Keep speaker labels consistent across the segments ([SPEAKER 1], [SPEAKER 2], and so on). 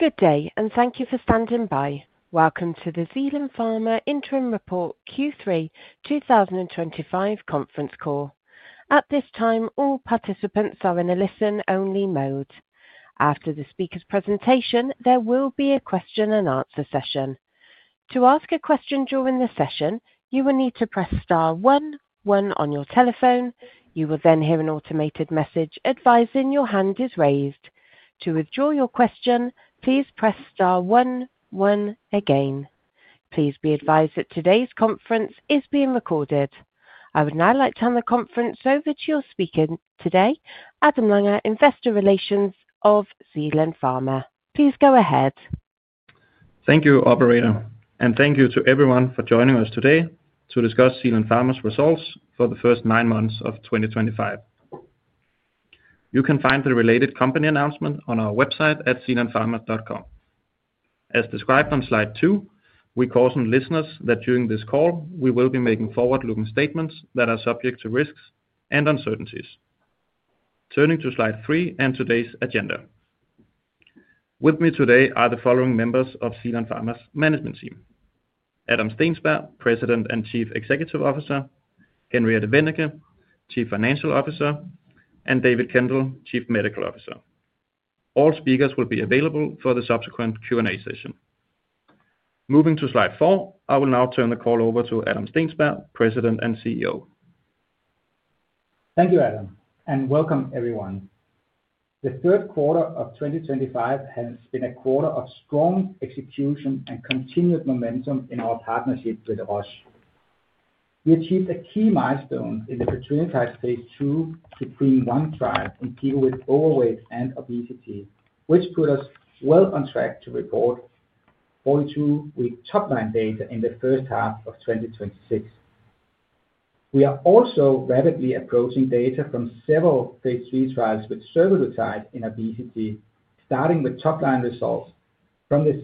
[SPEAKER 1] Good day, and thank you for standing by. Welcome to the Zealand Pharma Interim Report Q3 2025 conference call. At this time, all participants are in a listen-only mode. After the speaker's presentation, there will be a question-and-answer session. To ask a question during the session, you will need to press star 1, 1 on your telephone. You will then hear an automated message advising your hand is raised. To withdraw your question, please press star 1, 1 again. Please be advised that today's conference is being recorded. I would now like to hand the conference over to your speaker today, Adam Langer, Investor Relations of Zealand Pharma. Please go ahead.
[SPEAKER 2] Thank you, Operator, and thank you to everyone for joining us today to discuss Zealand Pharma's results for the first nine months of 2025. You can find the related company announcement on our website at zealandpharma.com. As described on slide two, we caution listeners that during this call, we will be making forward-looking statements that are subject to risks and uncertainties. Turning to slide three and today's agenda, with me today are the following members of Zealand Pharma's management team: Adam Steensberg, President and Chief Executive Officer; Henriette Wennicke, Chief Financial Officer; and David Kendall, Chief Medical Officer. All speakers will be available for the subsequent Q&A session. Moving to slide four, I will now turn the call over to Adam Steensberg, President and CEO.
[SPEAKER 3] Thank you, Adam, and welcome everyone. The third quarter of 2025 has been a quarter of strong execution and continued momentum in our partnership with Roche. We achieved a key milestone in the petrelintide phase 2 Supreme One trial in people with overweight and obesity, which put us well on track to report 42-week top-line data in the first half of 2026. We are also rapidly approaching data from several phase 3 trials with survodutide in obesity, starting with top-line results from this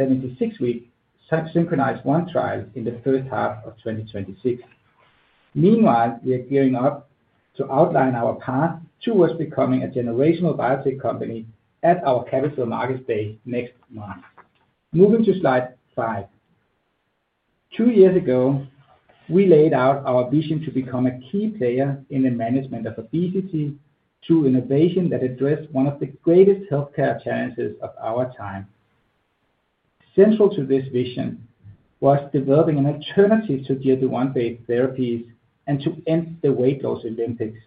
[SPEAKER 3] 76-week Synchronized One trial in the first half of 2026. Meanwhile, we are gearing up to outline our path towards becoming a generational biotech company at our Capital Markets Day next month. Moving to slide five, two years ago, we laid out our vision to become a key player in the management of obesity through innovation that addressed one of the greatest healthcare challenges of our time. Central to this vision was developing an alternative to GLP-1-based therapies and to end the weight loss Olympics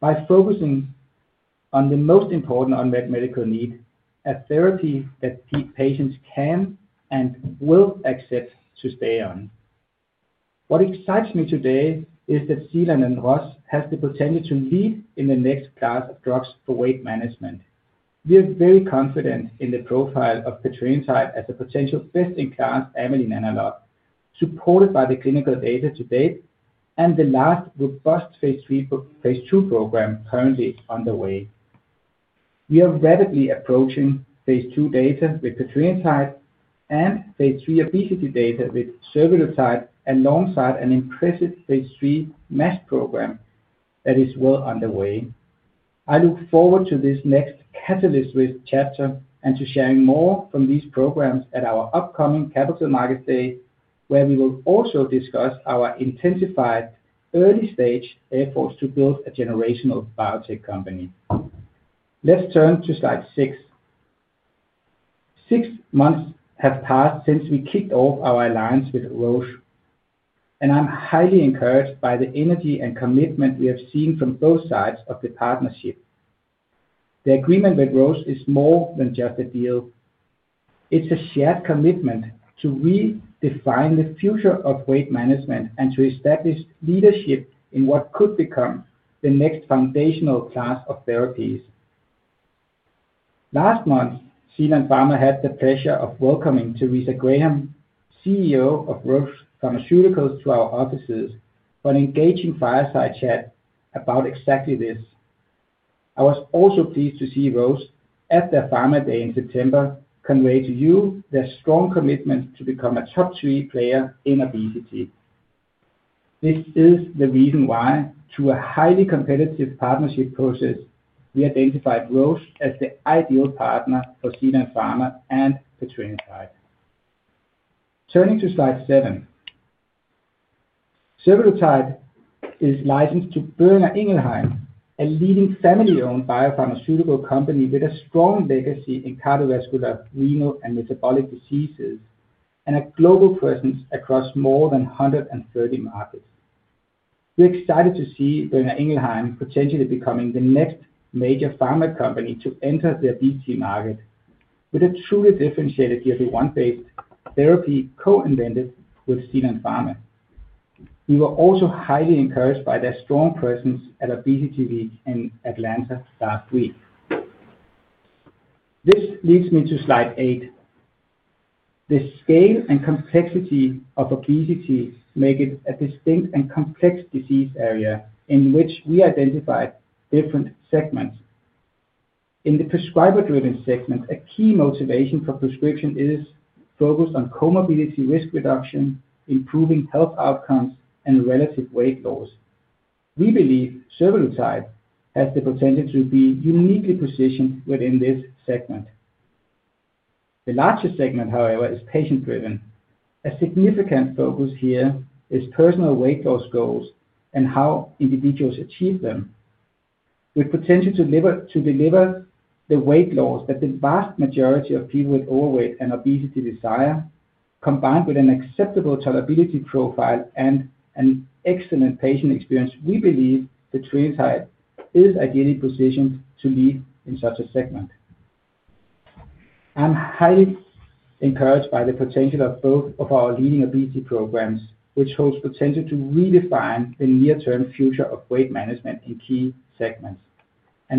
[SPEAKER 3] by focusing on the most important unmet medical need, a therapy that patients can and will accept to stay on. What excites me today is that Zealand and Roche have the potential to lead in the next class of drugs for weight management. We are very confident in the profile of petrelintide as a potential best-in-class amylin analog, supported by the clinical data to date and the last robust phase 2 program currently underway. We are rapidly approaching phase 2 data with petrelintide and phase 3 obesity data with survodutide alongside an impressive phase 3 MASH program that is well underway. I look forward to this next catalyst-rich chapter and to sharing more from these programs at our upcoming Capital Markets Day, where we will also discuss our intensified early-stage efforts to build a generational biotech company. Let's turn to slide six. Six months have passed since we kicked off our alliance with Roche, and I'm highly encouraged by the energy and commitment we have seen from both sides of the partnership. The agreement with Roche is more than just a deal. It's a shared commitment to redefine the future of weight management and to establish leadership in what could become the next foundational class of therapies. Last month, Zealand Pharma had the pleasure of welcoming Theresa Graham, CEO of Roche Pharmaceuticals, to our offices for an engaging fireside chat about exactly this. I was also pleased to see Roche at their Pharma Day in September convey to you their strong commitment to become a top-three player in obesity. This is the reason why, through a highly competitive partnership process, we identified Roche as the ideal partner for Zealand Pharma and petrelintide. Turning to slide seven, survodutide is licensed to Boehringer Ingelheim, a leading family-owned biopharmaceutical company with a strong legacy in cardiovascular, renal, and metabolic diseases and a global presence across more than 130 markets. We're excited to see Boehringer Ingelheim potentially becoming the next major pharma company to enter the obesity market with a truly differentiated GLP-1-based therapy co-invented with Zealand Pharma. We were also highly encouraged by their strong presence at Obesity Week in Atlanta last week. This leads me to slide eight. The scale and complexity of obesity make it a distinct and complex disease area in which we identified different segments. In the prescriber-driven segment, a key motivation for prescription is focused on comorbidity risk reduction, improving health outcomes, and relative weight loss. We believe cagrilintide has the potential to be uniquely positioned within this segment. The larger segment, however, is patient-driven. A significant focus here is personal weight loss goals and how individuals achieve them. With potential to deliver the weight loss that the vast majority of people with overweight and obesity desire, combined with an acceptable tolerability profile and an excellent patient experience, we believe petrelintide is ideally positioned to lead in such a segment. I'm highly encouraged by the potential of both of our leading obesity programs, which holds potential to redefine the near-term future of weight management in key segments.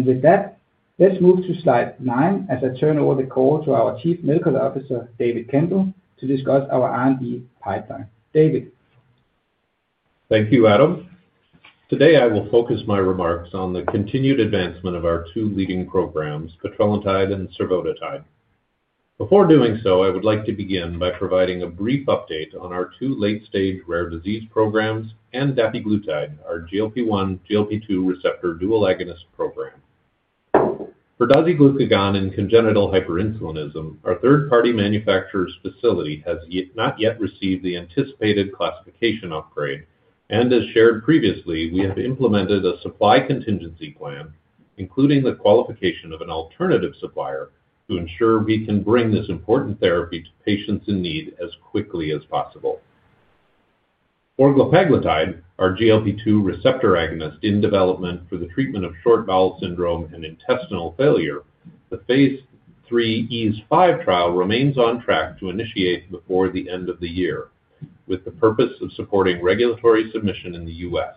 [SPEAKER 3] With that, let's move to slide nine as I turn over the call to our Chief Medical Officer, David Kendall, to discuss our R&D pipeline. David.
[SPEAKER 4] Thank you, Adam. Today, I will focus my remarks on the continued advancement of our two leading programs, petrelintide and survodutide. Before doing so, I would like to begin by providing a brief update on our two late-stage rare disease programs and dapiglutide, our GLP-1, GLP-2 receptor dual agonist program. For dasiglucagon and congenital hyperinsulinism, our third-party manufacturer's facility has not yet received the anticipated classification upgrade, and as shared previously, we have implemented a supply contingency plan, including the qualification of an alternative supplier, to ensure we can bring this important therapy to patients in need as quickly as possible. For glepaglutide, our GLP-2 receptor agonist in development for the treatment of short bowel syndrome and intestinal failure, the phase 3 Ease 5 trial remains on track to initiate before the end of the year, with the purpose of supporting regulatory submission in the US.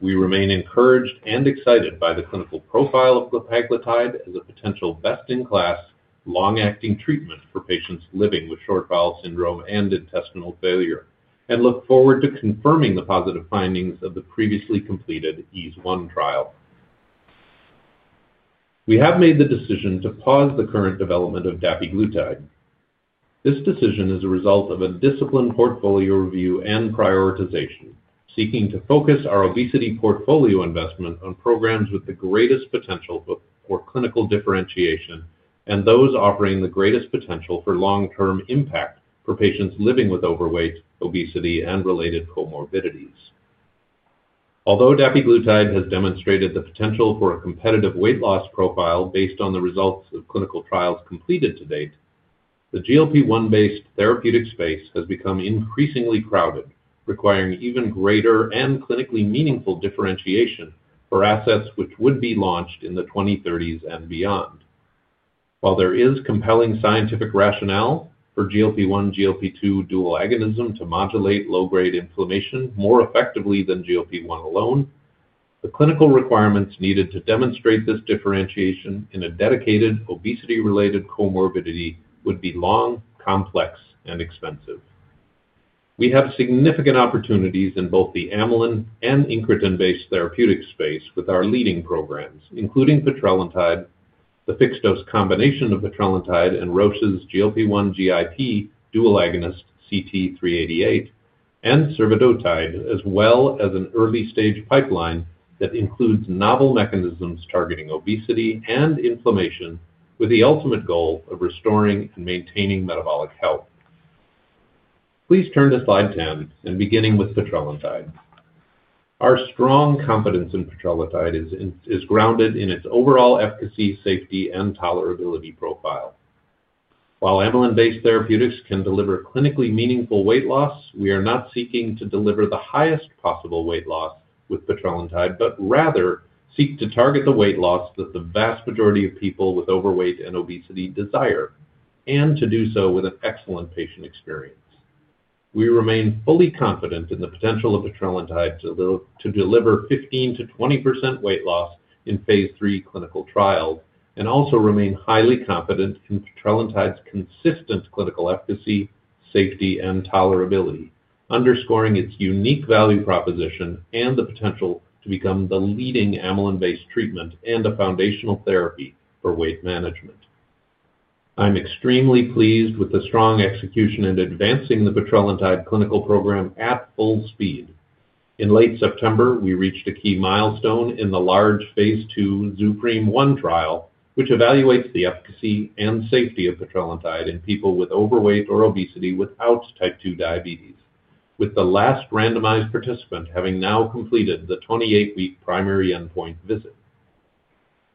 [SPEAKER 4] We remain encouraged and excited by the clinical profile of glepaglutide as a potential best-in-class long-acting treatment for patients living with short bowel syndrome and intestinal failure, and look forward to confirming the positive findings of the previously completed Ease 1 trial. We have made the decision to pause the current development of dapiglutide. This decision is a result of a disciplined portfolio review and prioritization, seeking to focus our obesity portfolio investment on programs with the greatest potential for clinical differentiation and those offering the greatest potential for long-term impact for patients living with overweight, obesity, and related comorbidities. Although dapiglutide has demonstrated the potential for a competitive weight loss profile based on the results of clinical trials completed to date, the GLP-1-based therapeutic space has become increasingly crowded, requiring even greater and clinically meaningful differentiation for assets which would be launched in the 2030s and beyond. While there is compelling scientific rationale for GLP-1, GLP-2 dual agonism to modulate low-grade inflammation more effectively than GLP-1 alone, the clinical requirements needed to demonstrate this differentiation in a dedicated obesity-related comorbidity would be long, complex, and expensive. We have significant opportunities in both the amylin and incretin-based therapeutic space with our leading programs, including petrelintide, the fixed-dose combination of petrelintide and Roche's GLP-1/GIP dual agonist CT388, and survodutide, as well as an early-stage pipeline that includes novel mechanisms targeting obesity and inflammation with the ultimate goal of restoring and maintaining metabolic health. Please turn to slide 10 and begin with petrelintide. Our strong confidence in petrelintide is grounded in its overall efficacy, safety, and tolerability profile. While amylin-based therapeutics can deliver clinically meaningful weight loss, we are not seeking to deliver the highest possible weight loss with petrelintide, but rather seek to target the weight loss that the vast majority of people with overweight and obesity desire, and to do so with an excellent patient experience. We remain fully confident in the potential of petrelintide to deliver 15%-20% weight loss in phase 3 clinical trials and also remain highly confident in petrelintide's consistent clinical efficacy, safety, and tolerability, underscoring its unique value proposition and the potential to become the leading amylin-based treatment and a foundational therapy for weight management. I'm extremely pleased with the strong execution in advancing the petrelintide clinical program at full speed. In late September, we reached a key milestone in the large phase 2, Supreme One trial, which evaluates the efficacy and safety of petrelintide in people with overweight or obesity without type 2 diabetes, with the last randomized participant having now completed the 28-week primary endpoint visit.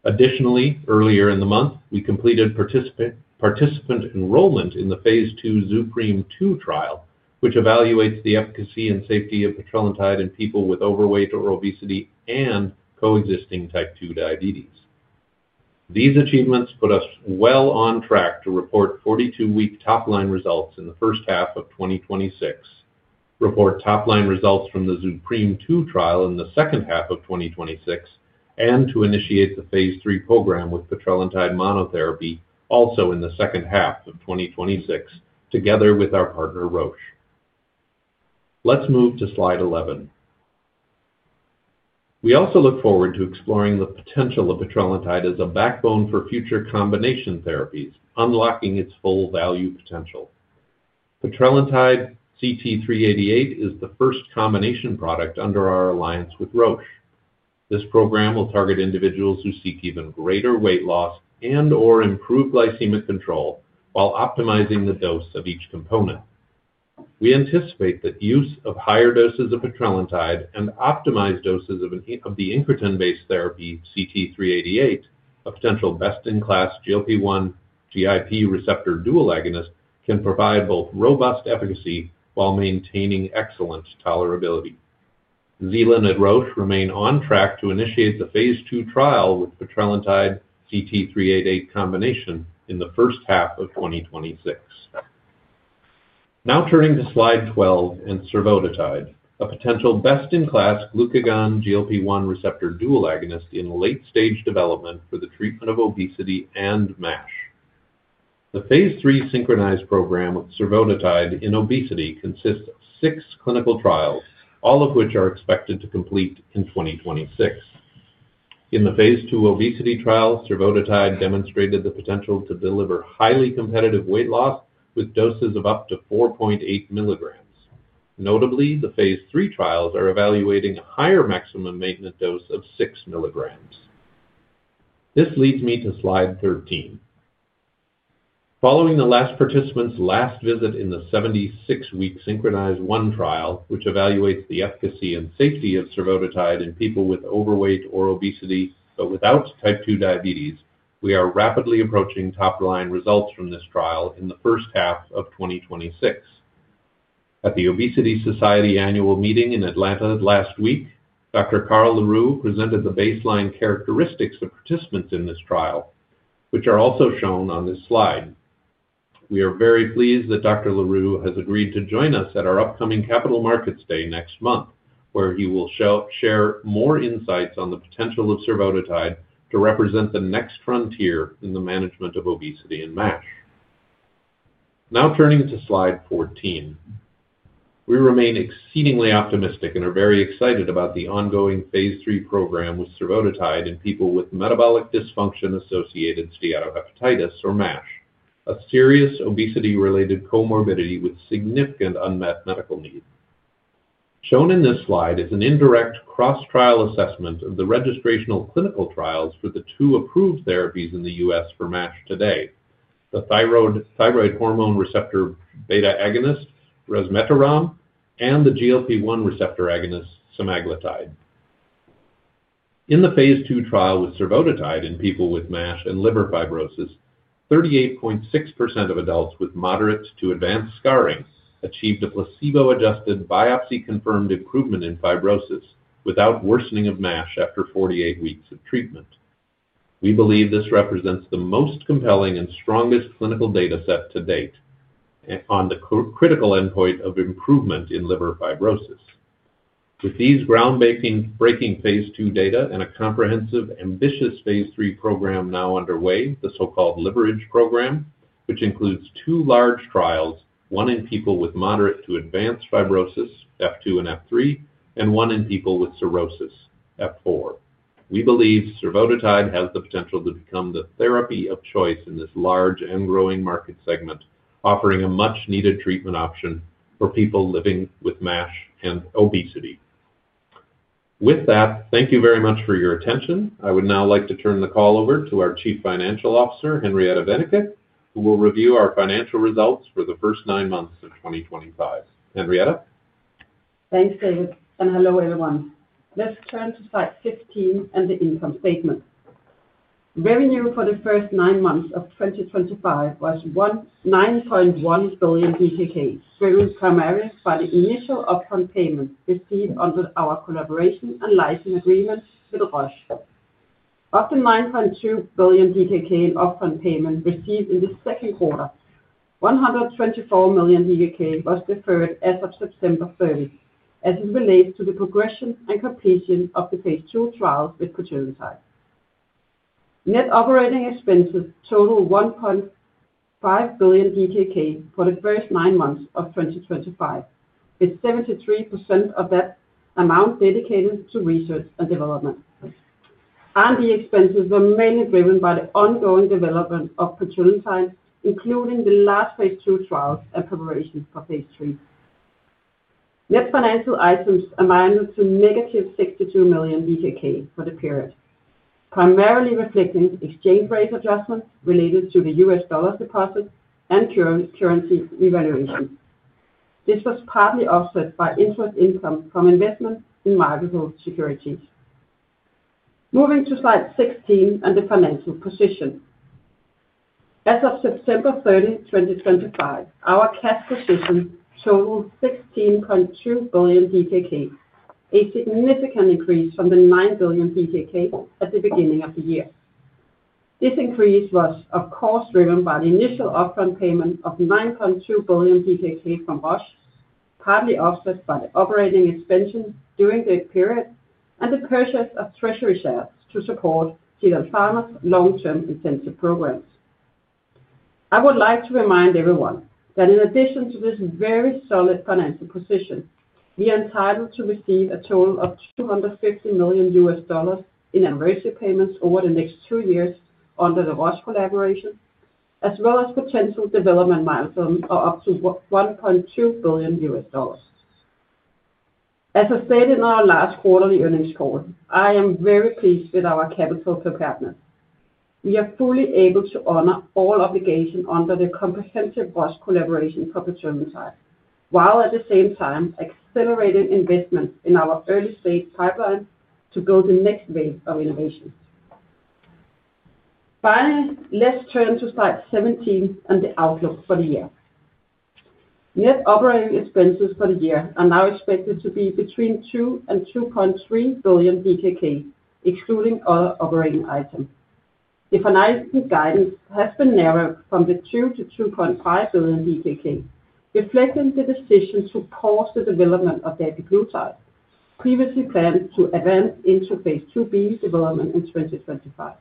[SPEAKER 4] Additionally, earlier in the month, we completed participant enrollment in the phase 2, Supreme Two trial, which evaluates the efficacy and safety of petrelintide in people with overweight or obesity and co-existing type 2 diabetes. These achievements put us well on track to report 42-week top-line results in the first half of 2026, report top-line results from the Supreme Two trial in the second half of 2026, and to initiate the phase 3 program with petrelintide monotherapy also in the second half of 2026, together with our partner Roche. Let's move to slide 11. We also look forward to exploring the potential of petrelintide as a backbone for future combination therapies, unlocking its full value potential. Petrelintide CT388 is the first combination product under our alliance with Roche. This program will target individuals who seek even greater weight loss and/or improved glycemic control while optimizing the dose of each component. We anticipate the use of higher doses of petrelintide and optimized doses of the incretin-based therapy CT388, a potential best-in-class GLP-1 GIP receptor dual agonist, can provide both robust efficacy while maintaining excellent tolerability. Zealand and Roche remain on track to initiate the phase 2 trial with petrelintide CT388 combination in the first half of 2026. Now turning to slide 12 and survodutide, a potential best-in-class glucagon GLP-1 receptor dual agonist in late-stage development for the treatment of obesity and MASH. The phase 3 Synchronized program with survodutide in obesity consists of six clinical trials, all of which are expected to complete in 2026. In the phase 2 obesity trial, survodutide demonstrated the potential to deliver highly competitive weight loss with doses of up to 4.8 milligrams. Notably, the phase 3 trials are evaluating a higher maximum maintenance dose of 6 milligrams. This leads me to slide 13. Following the last participant's last visit in the 76-week Synchronized One trial, which evaluates the efficacy and safety of survodutide in people with overweight or obesity but without type 2 diabetes, we are rapidly approaching top-line results from this trial in the first half of 2026. At the Obesity Society annual meeting in Atlanta last week, Dr. Carl LaRue presented the baseline characteristics of participants in this trial, which are also shown on this slide. We are very pleased that Dr. LaRue has agreed to join us at our upcoming Capital Markets Day next month, where he will share more insights on the potential of survodutide to represent the next frontier in the management of obesity and MASH. Now turning to slide 14, we remain exceedingly optimistic and are very excited about the ongoing phase 3 program with survodutide in people with metabolic dysfunction-associated steatohepatitis, or MASH, a serious obesity-related comorbidity with significant unmet medical needs. Shown in this slide is an indirect cross-trial assessment of the registrational clinical trials for the two approved therapies in the U.S. for MASH today, the thyroid hormone receptor beta agonist resmetirom and the GLP-1 receptor agonist semaglutide. In the phase 2 trial with survodutide in people with MASH and liver fibrosis, 38.6% of adults with moderate to advanced scarring achieved a placebo-adjusted, biopsy-confirmed improvement in fibrosis without worsening of MASH after 48 weeks of treatment. We believe this represents the most compelling and strongest clinical data set to date on the critical endpoint of improvement in liver fibrosis. With these groundbreaking phase 2 data and a comprehensive, ambitious phase 3 program now underway, the so-called Liverage program, which includes two large trials, one in people with moderate to advanced fibrosis, F2 and F3, and one in people with cirrhosis, F4, we believe survodutide has the potential to become the therapy of choice in this large and growing market segment, offering a much-needed treatment option for people living with MASH and obesity. With that, thank you very much for your attention. I would now like to turn the call over to our Chief Financial Officer, Henriette Wennicke, who will review our financial results for the first nine months of 2025. Henriette?
[SPEAKER 5] Thanks, David. Hello, everyone. Let's turn to slide 15 and the income statement. Revenue for the first nine months of 2025 was 9.1 billion, driven primarily by the initial upfront payment received under our collaboration and license agreement with Roche. Of the 9.2 billion DKK in upfront payment received in the second quarter, 124 million DKK was deferred as of September 30, as it relates to the progression and completion of the phase 2 trials with petrelintide. Net operating expenses totaled 1.5 billion for the first nine months of 2025, with 73% of that amount dedicated to research and development. R&D expenses were mainly driven by the ongoing development of petrelintide, including the last phase 2 trials and preparation for phase 3. Net financial items amounted to negative 62 million for the period, primarily reflecting exchange rate adjustments related to the US dollar deposit and currency evaluation. This was partly offset by interest income from investment in market-hold securities. Moving to slide 16 and the financial position. As of September 30, 2025, our cash position totaled 16.2 billion DKK, a significant increase from 9 billion DKK at the beginning of the year. This increase was, of course, driven by the initial upfront payment of 9.2 billion from Roche, partly offset by the operating expenses during the period and the purchase of treasury shares to support Zealand Pharma's long-term incentive programs. I would like to remind everyone that in addition to this very solid financial position, we are entitled to receive a total of $250 million in anniversary payments over the next two years under the Roche collaboration, as well as potential development milestones of up to $1.2 billion. As I said in our last quarterly earnings call, I am very pleased with our capital preparedness. We are fully able to honor all obligations under the comprehensive Roche collaboration for petrelintide, while at the same time accelerating investment in our early-stage pipeline to build the next wave of innovation. Finally, let's turn to slide 17 and the outlook for the year. Net operating expenses for the year are now expected to be between 2 billion-2.3 billion, excluding other operating items. The financial guidance has been narrowed from 2 billion-2.5 billion, reflecting the decision to pause the development of dapiglutide, previously planned to advance into phase 2b development in 2025.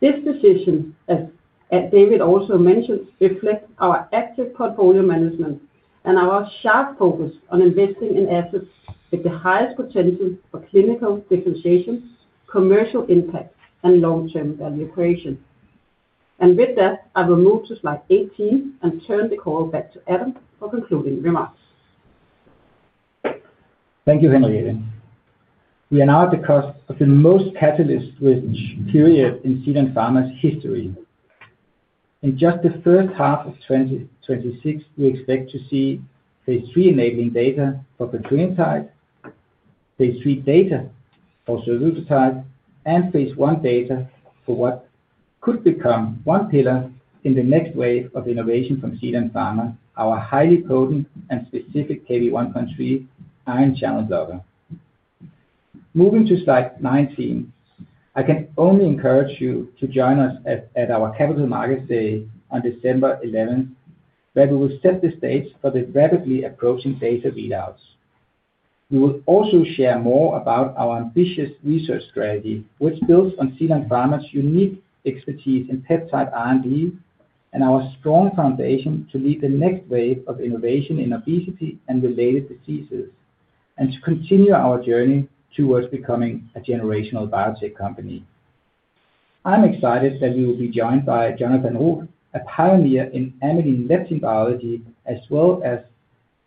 [SPEAKER 5] This decision, as David also mentioned, reflects our active portfolio management and our sharp focus on investing in assets with the highest potential for clinical differentiation, commercial impact, and long-term value creation. With that, I will move to slide 18 and turn the call back to Adam for concluding remarks.
[SPEAKER 3] Thank you, Henriette. We are now at the cusp of the most catalyst-rich period in Zealand Pharma's history. In just the first half of 2026, we expect to see phase 3 enabling data for petrelintide, phase 3 data for survodutide, and phase 1 data for what could become one pillar in the next wave of innovation from Zealand Pharma, our highly potent and specific KB1.3 ion channel blocker. Moving to slide 19, I can only encourage you to join us at our Capital Markets Day on December 11, where we will set the stage for the rapidly approaching data readouts. We will also share more about our ambitious research strategy, which builds on Zealand Pharma's unique expertise in peptide R&D and our strong foundation to lead the next wave of innovation in obesity and related diseases, and to continue our journey towards becoming a generational biotech company. I'm excited that we will be joined by Jonathan Roux, a pioneer in amylin leptin biology, as well as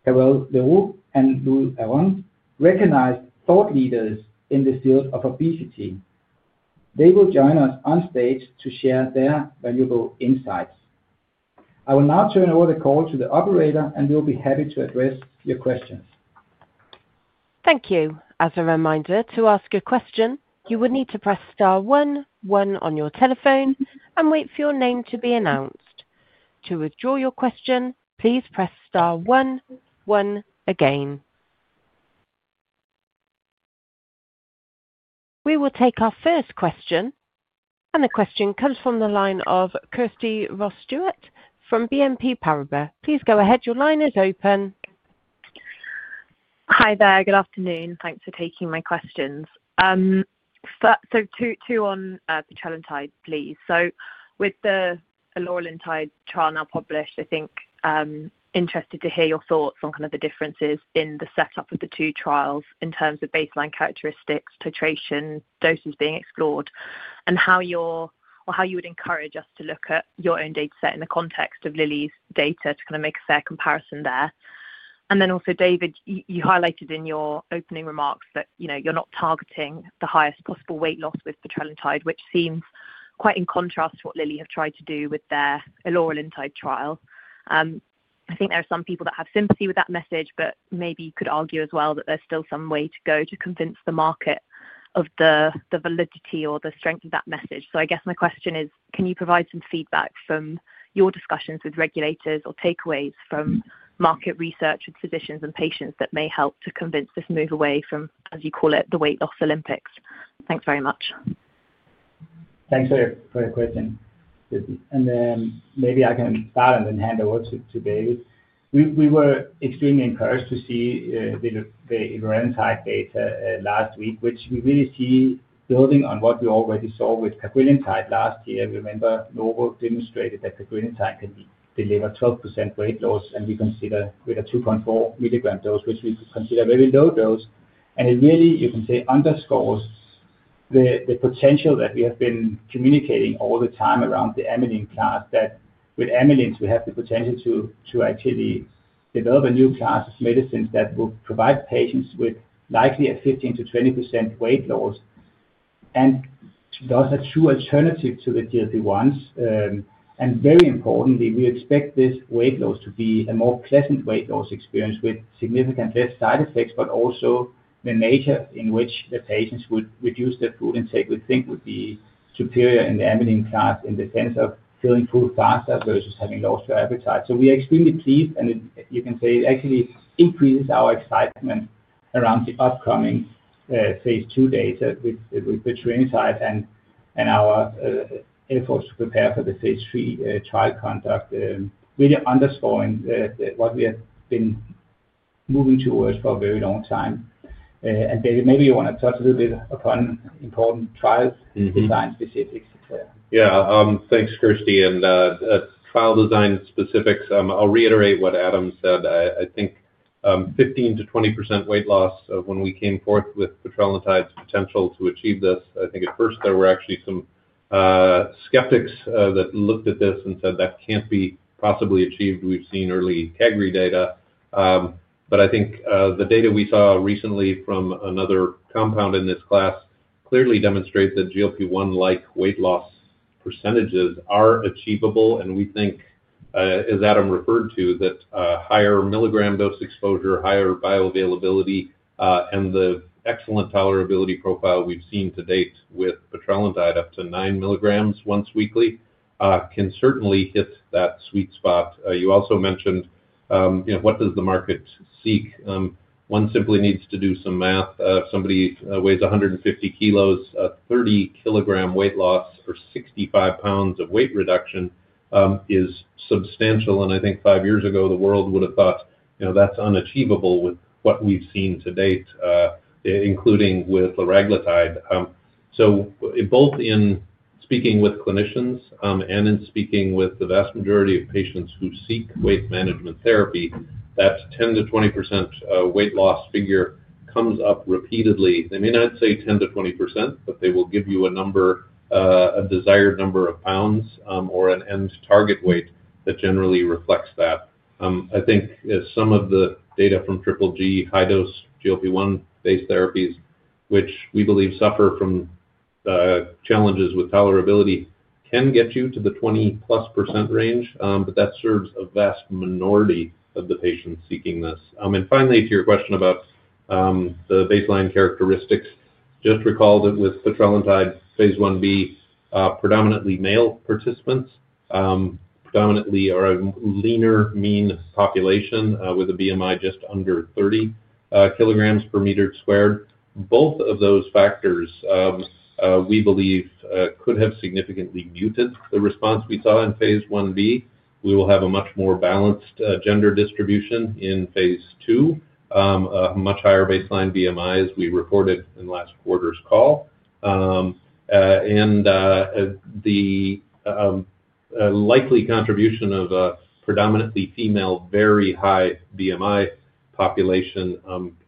[SPEAKER 3] Carl LaRue and Louis Aron, recognized thought leaders in the field of obesity. They will join us on stage to share their valuable insights. I will now turn over the call to the operator, and we will be happy to address your questions.
[SPEAKER 1] Thank you. As a reminder, to ask a question, you would need to press star 1, 1 on your telephone, and wait for your name to be announced. To withdraw your question, please press star 1, 1 again. We will take our first question, and the question comes from the line of Kirsty Ross-Stewart from BNP Paribas. Please go ahead. Your line is open.
[SPEAKER 6] Hi there. Good afternoon. Thanks for taking my questions. Two on petrelintide, please. With the maritide trial now published, I think interested to hear your thoughts on kind of the differences in the setup of the two trials in terms of baseline characteristics, titration, doses being explored, and how you would encourage us to look at your own data set in the context of Lilly's data to kind of make a fair comparison there. Also, David, you highlighted in your opening remarks that you're not targeting the highest possible weight loss with petrelintide, which seems quite in contrast to what Lilly has tried to do with their maritide trial. I think there are some people that have sympathy with that message, but maybe you could argue as well that there's still some way to go to convince the market of the validity or the strength of that message. I guess my question is, can you provide some feedback from your discussions with regulators or takeaways from market research with physicians and patients that may help to convince this move away from, as you call it, the weight loss Olympics? Thanks very much.
[SPEAKER 3] Thanks for your question. Maybe I can start and then hand over to David. We were extremely encouraged to see the maritide data last week, which we really see building on what we already saw with cagrilintide last year. Remember, Novo Nordisk demonstrated that cagrilintide can deliver 12% weight loss, and we consider with a 2.4 mg dose, which we consider a very low dose. It really, you can say, underscores the potential that we have been communicating all the time around the amylin class, that with amylins, we have the potential to actually develop a new class of medicines that will provide patients with likely a 15%-20% weight loss. Those are two alternatives to the GLP-1s. Very importantly, we expect this weight loss to be a more pleasant weight loss experience with significantly less side effects, but also the nature in which the patients would reduce their food intake, we think, would be superior in the amylin class in the sense of feeling full faster versus having lost your appetite. We are extremely pleased, and you can say it actually increases our excitement around the upcoming phase 2 data with petrelintide and our efforts to prepare for the phase 3 trial conduct, really underscoring what we have been moving towards for a very long time. David, maybe you want to touch a little bit upon important trials, design specifics, etc. Yeah. Thanks, Kirsty. Trial design specifics, I'll reiterate what Adam said. I think 15%-20% weight loss when we came forth with petrelintide's potential to achieve this. I think at first there were actually some skeptics that looked at this and said, "That can't be possibly achieved." We've seen early cagrilintide data. I think the data we saw recently from another compound in this class clearly demonstrates that GLP-1-like weight loss percentages are achievable. We think, as Adam referred to, that higher milligram dose exposure, higher bioavailability, and the excellent tolerability profile we've seen to date with petrelintide, up to 9 milligrams once weekly, can certainly hit that sweet spot. You also mentioned, "What does the market seek?" One simply needs to do some math. If somebody weighs 150 kg, a 30 kg weight loss or 65 lbs of weight reduction is substantial. I think five years ago, the world would have thought, "That's unachievable with what we've seen to date," including with liraglutide. Both in speaking with clinicians and in speaking with the vast majority of patients who seek weight management therapy, that 10-20% weight loss figure comes up repeatedly. They may not say 10-20%, but they will give you a desired number of pounds or an end target weight that generally reflects that. I think some of the data from triple G high-dose GLP-1-based therapies, which we believe suffer from challenges with tolerability, can get you to the 20%+ range, but that serves a vast minority of the patients seeking this. Finally, to your question about the baseline characteristics, just recall that with petrelintide, phase 1b, predominantly male participants, predominantly a leaner mean population with a BMI just under 30 kilograms per meter squared. Both of those factors, we believe, could have significantly muted the response we saw in phase 1b. We will have a much more balanced gender distribution in phase 2, a much higher baseline BMI, as we reported in last quarter's call. The likely contribution of a predominantly female, very high BMI population,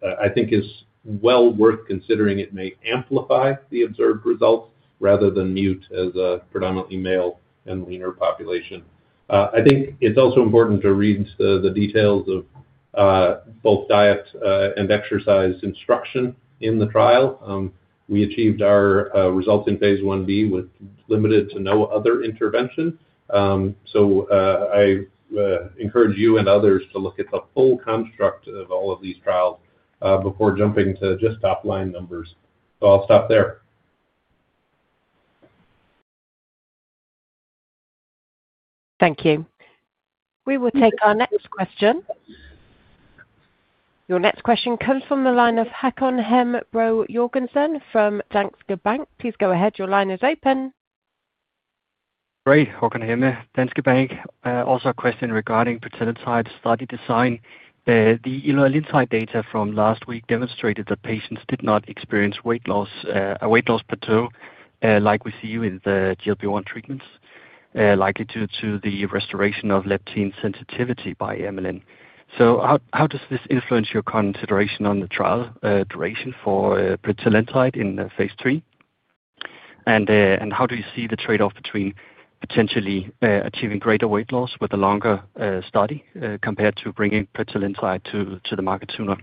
[SPEAKER 3] I think, is well worth considering. It may amplify the observed results rather than mute as a predominantly male and leaner population. I think it is also important to read the details of both diet and exercise instruction in the trial. We achieved our results in phase 1b with limited to no other intervention. I encourage you and others to look at the full construct of all of these trials before jumping to just top-line numbers. I'll stop there.
[SPEAKER 1] Thank you. We will take our next question. Your next question comes from the line of Håkon Hem Bro Jørgensen from Danske Bank. Please go ahead. Your line is open.
[SPEAKER 7] Great. Hakon Hemro, Danske Bank. Also a question regarding petrelintide's study design. The maritide data from last week demonstrated that patients did not experience a weight loss plateau like we see with the GLP-1 treatments, likely due to the restoration of leptin sensitivity by amylin. How does this influence your consideration on the trial duration for petrelintide in phase 3? How do you see the trade-off between potentially achieving greater weight loss with a longer study compared to bringing petrelintide to the market sooner?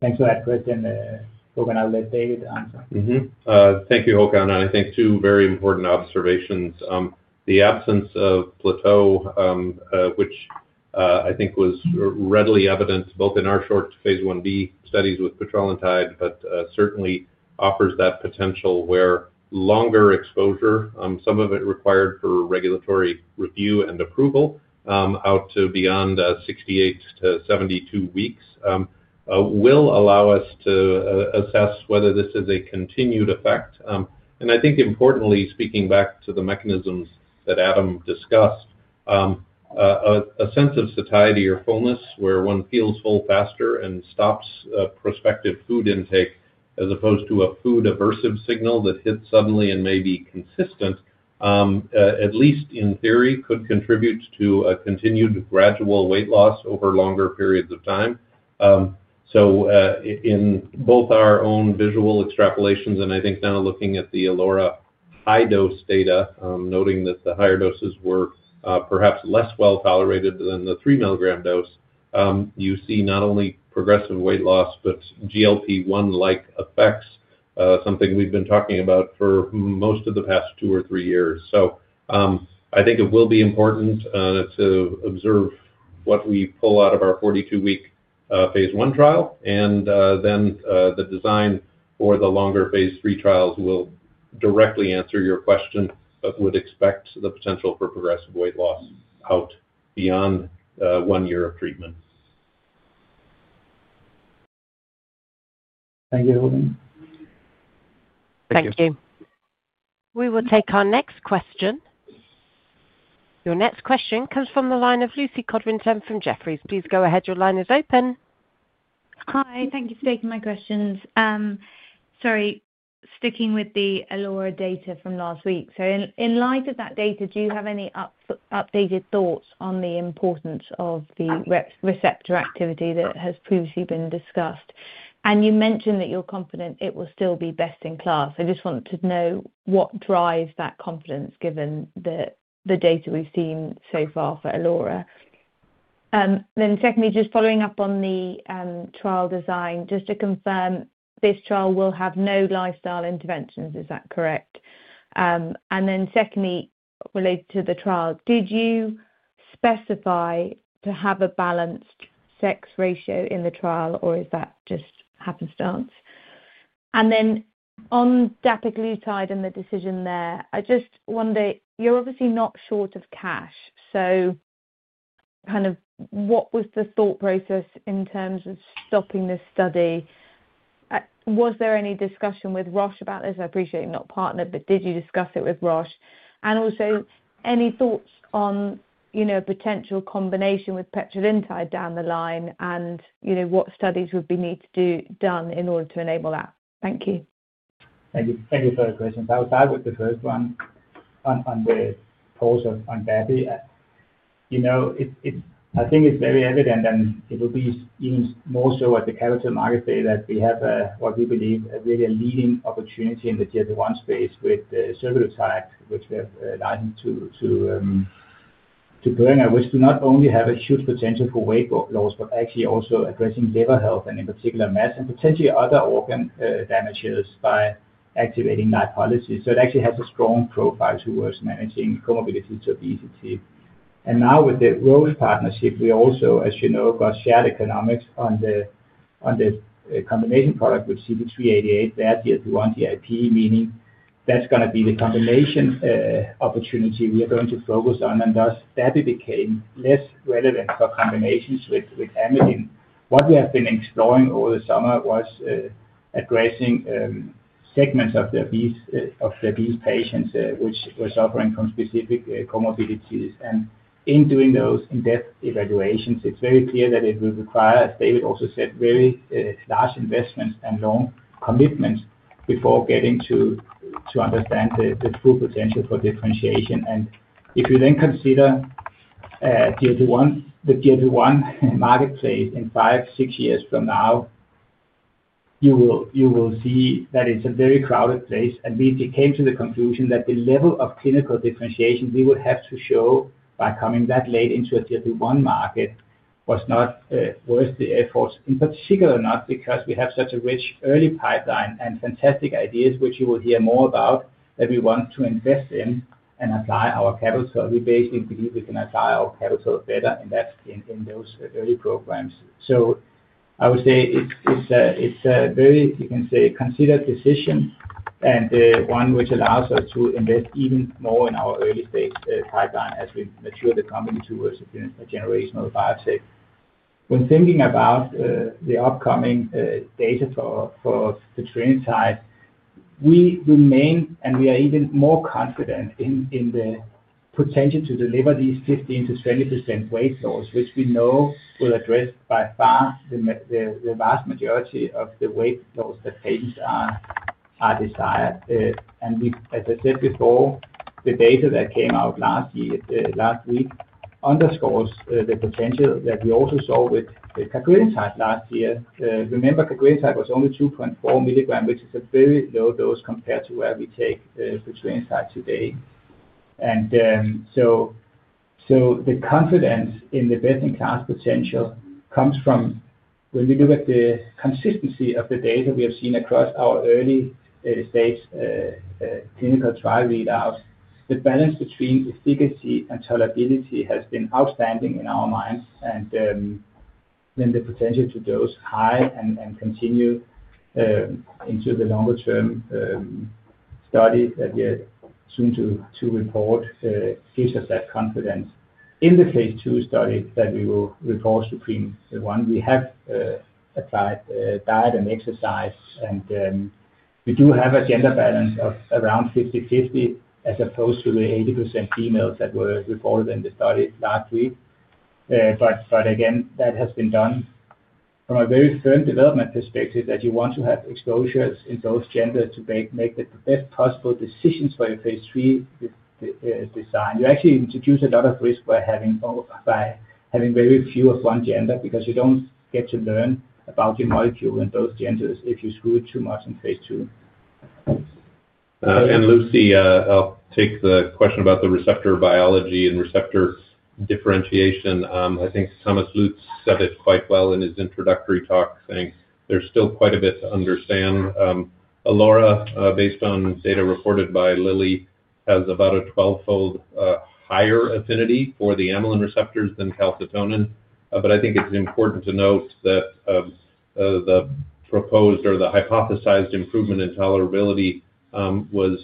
[SPEAKER 3] Thanks for that question. Hakon, I'll let David answer. Thank you, Hakon. I think two very important observations. The absence of plateau, which I think was readily evident both in our short phase 1b studies with petrelintide, certainly offers that potential where longer exposure, some of it required for regulatory review and approval out to beyond 68-72 weeks, will allow us to assess whether this is a continued effect. I think, importantly, speaking back to the mechanisms that Adam discussed, a sense of satiety or fullness where one feels full faster and stops prospective food intake as opposed to a food-aversive signal that hits suddenly and may be consistent, at least in theory, could contribute to a continued gradual weight loss over longer periods of time. In both our own visual extrapolations and I think now looking at the Alora high-dose data, noting that the higher doses were perhaps less well tolerated than the 3 mg dose, you see not only progressive weight loss, but GLP-1-like effects, something we've been talking about for most of the past two or three years. I think it will be important to observe what we pull out of our 42-week phase 1 trial. The design for the longer phase 3 trials will directly answer your question, but would expect the potential for progressive weight loss out beyond one year of treatment. Thank you, Hakon.
[SPEAKER 1] Thank you. We will take our next question. Your next question comes from the line of Lucy Codwinson from Jefferies. Please go ahead. Your line is open.
[SPEAKER 8] Hi. Thank you for taking my questions. Sorry, sticking with the Alora data from last week. In light of that data, do you have any updated thoughts on the importance of the receptor activity that has previously been discussed? You mentioned that you're confident it will still be best in class. I just want to know what drives that confidence given the data we've seen so far for Alora. Secondly, just following up on the trial design, just to confirm, this trial will have no lifestyle interventions. Is that correct? Secondly, related to the trial, did you specify to have a balanced sex ratio in the trial, or is that just happenstance? On Dapiglutide and the decision there, I just wonder, you're obviously not short of cash. What was the thought process in terms of stopping this study? Was there any discussion with Roche about this? I appreciate you're not partner, but did you discuss it with Roche? Also, any thoughts on a potential combination with petrelintide down the line and what studies would need to be done in order to enable that? Thank you.
[SPEAKER 3] Thank you for the question. I would start with the first one on the pause on therapy. I think it's very evident, and it will be even more so at the Capital Markets Day, that we have what we believe is really a leading opportunity in the GLP-1 space with survodutide, which we have licensed to Boehringer Ingelheim, which do not only have a huge potential for weight loss, but actually also addressing liver health and, in particular, MASH and potentially other organ damages by activating lipolysis. It actually has a strong profile towards managing comorbidities to obesity. Now with the Roche partnership, we also, as you know, got shared economics on the combination product with CT388, their GLP-1/GIP, meaning that's going to be the combination opportunity we are going to focus on. Thus, dapiglutide became less relevant for combinations with amylin. What we have been exploring over the summer was addressing segments of the obese patients which were suffering from specific comorbidities. In doing those in-depth evaluations, it is very clear that it will require, as David also said, very large investments and long commitments before getting to understand the full potential for differentiation. If you then consider the GLP-1 marketplace in five, six years from now, you will see that it is a very crowded place. We came to the conclusion that the level of clinical differentiation we would have to show by coming that late into a GLP-1 market was not worth the effort, in particular not because we have such a rich early pipeline and fantastic ideas, which you will hear more about, that we want to invest in and apply our capital. We basically believe we can apply our capital better in those early programs. I would say it's a very, you can say, considered decision and one which allows us to invest even more in our early stage pipeline as we mature the company towards a generational biotech. When thinking about the upcoming data for petrelintide, we remain and we are even more confident in the potential to deliver these 15%-20% weight loss, which we know will address by far the vast majority of the weight loss that patients desire. As I said before, the data that came out last week underscores the potential that we also saw with petrelintide last year. Remember, petrelintide was only 2.4 mg, which is a very low dose compared to where we take petrelintide today. The confidence in the best-in-class potential comes from when we look at the consistency of the data we have seen across our early stage clinical trial readouts. The balance between efficacy and tolerability has been outstanding in our minds. The potential to dose high and continue into the longer-term study that we are soon to report gives us that confidence. In the phase 2 study that we will report to CREAM, the one we have applied diet and exercise, we do have a gender balance of around 50-50 as opposed to the 80% females that were reported in the study last week. That has been done from a very firm development perspective that you want to have exposures in both genders to make the best possible decisions for your phase 3 design. You actually introduce a lot of risk by having very few of one gender because you don't get to learn about your molecule in both genders if you screw it too much in phase 2. Lucy, I'll take the question about the receptor biology and receptor differentiation. I think Thomas Lutz said it quite well in his introductory talk, saying there's still quite a bit to understand. Alora, based on data reported by Lilly, has about a twelvefold higher affinity for the amylin receptors than calcitonin. I think it's important to note that the proposed or the hypothesized improvement in tolerability was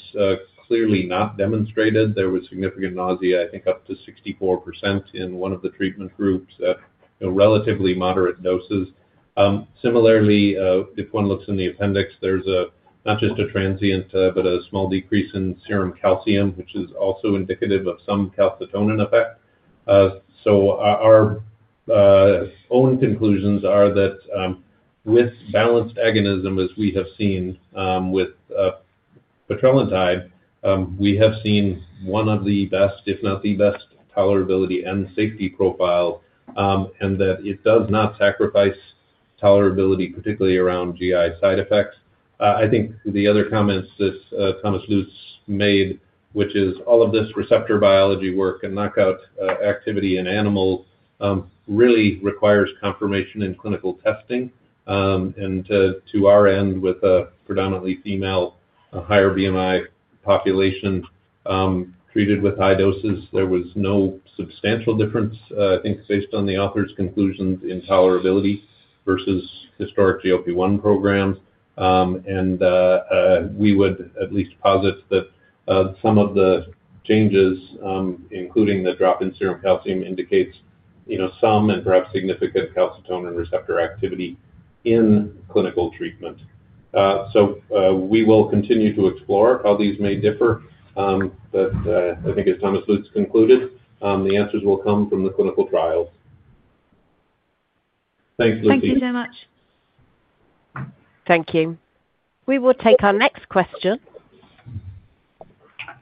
[SPEAKER 3] clearly not demonstrated. There was significant nausea, I think, up to 64% in one of the treatment groups at relatively moderate doses. Similarly, if one looks in the appendix, there's not just a transient, but a small decrease in serum calcium, which is also indicative of some calcitonin effect. Our own conclusions are that with balanced agonism, as we have seen with petrelintide, we have seen one of the best, if not the best, tolerability and safety profile, and that it does not sacrifice tolerability, particularly around GI side effects. I think the other comments that Thomas Lutz made, which is all of this receptor biology work and knockout activity in animals, really requires confirmation in clinical testing. To our end, with a predominantly female, higher BMI population treated with high doses, there was no substantial difference, I think, based on the author's conclusions in tolerability versus historic GLP-1 programs. We would at least posit that some of the changes, including the drop in serum calcium, indicate some and perhaps significant calcitonin receptor activity in clinical treatment. We will continue to explore how these may differ. I think, as Thomas Lutz concluded, the answers will come from the clinical trials. Thanks, Lucy.
[SPEAKER 1] Thank you so much. Thank you. We will take our next question.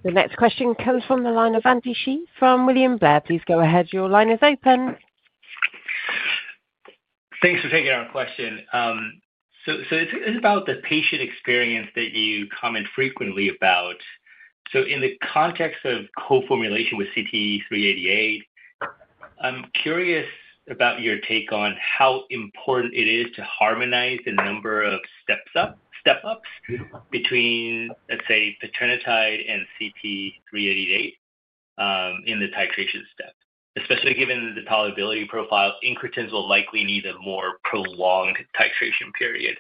[SPEAKER 1] The next question comes from the line of Andy Xie from William Blair. Please go ahead. Your line is open.
[SPEAKER 9] Thanks for taking our question. It's about the patient experience that you comment frequently about. In the context of co-formulation with CT388, I'm curious about your take on how important it is to harmonize the number of step-ups between, let's say, petrelintide and CT388 in the titration step, especially given the tolerability profile incretins will likely need a more prolonged titration period.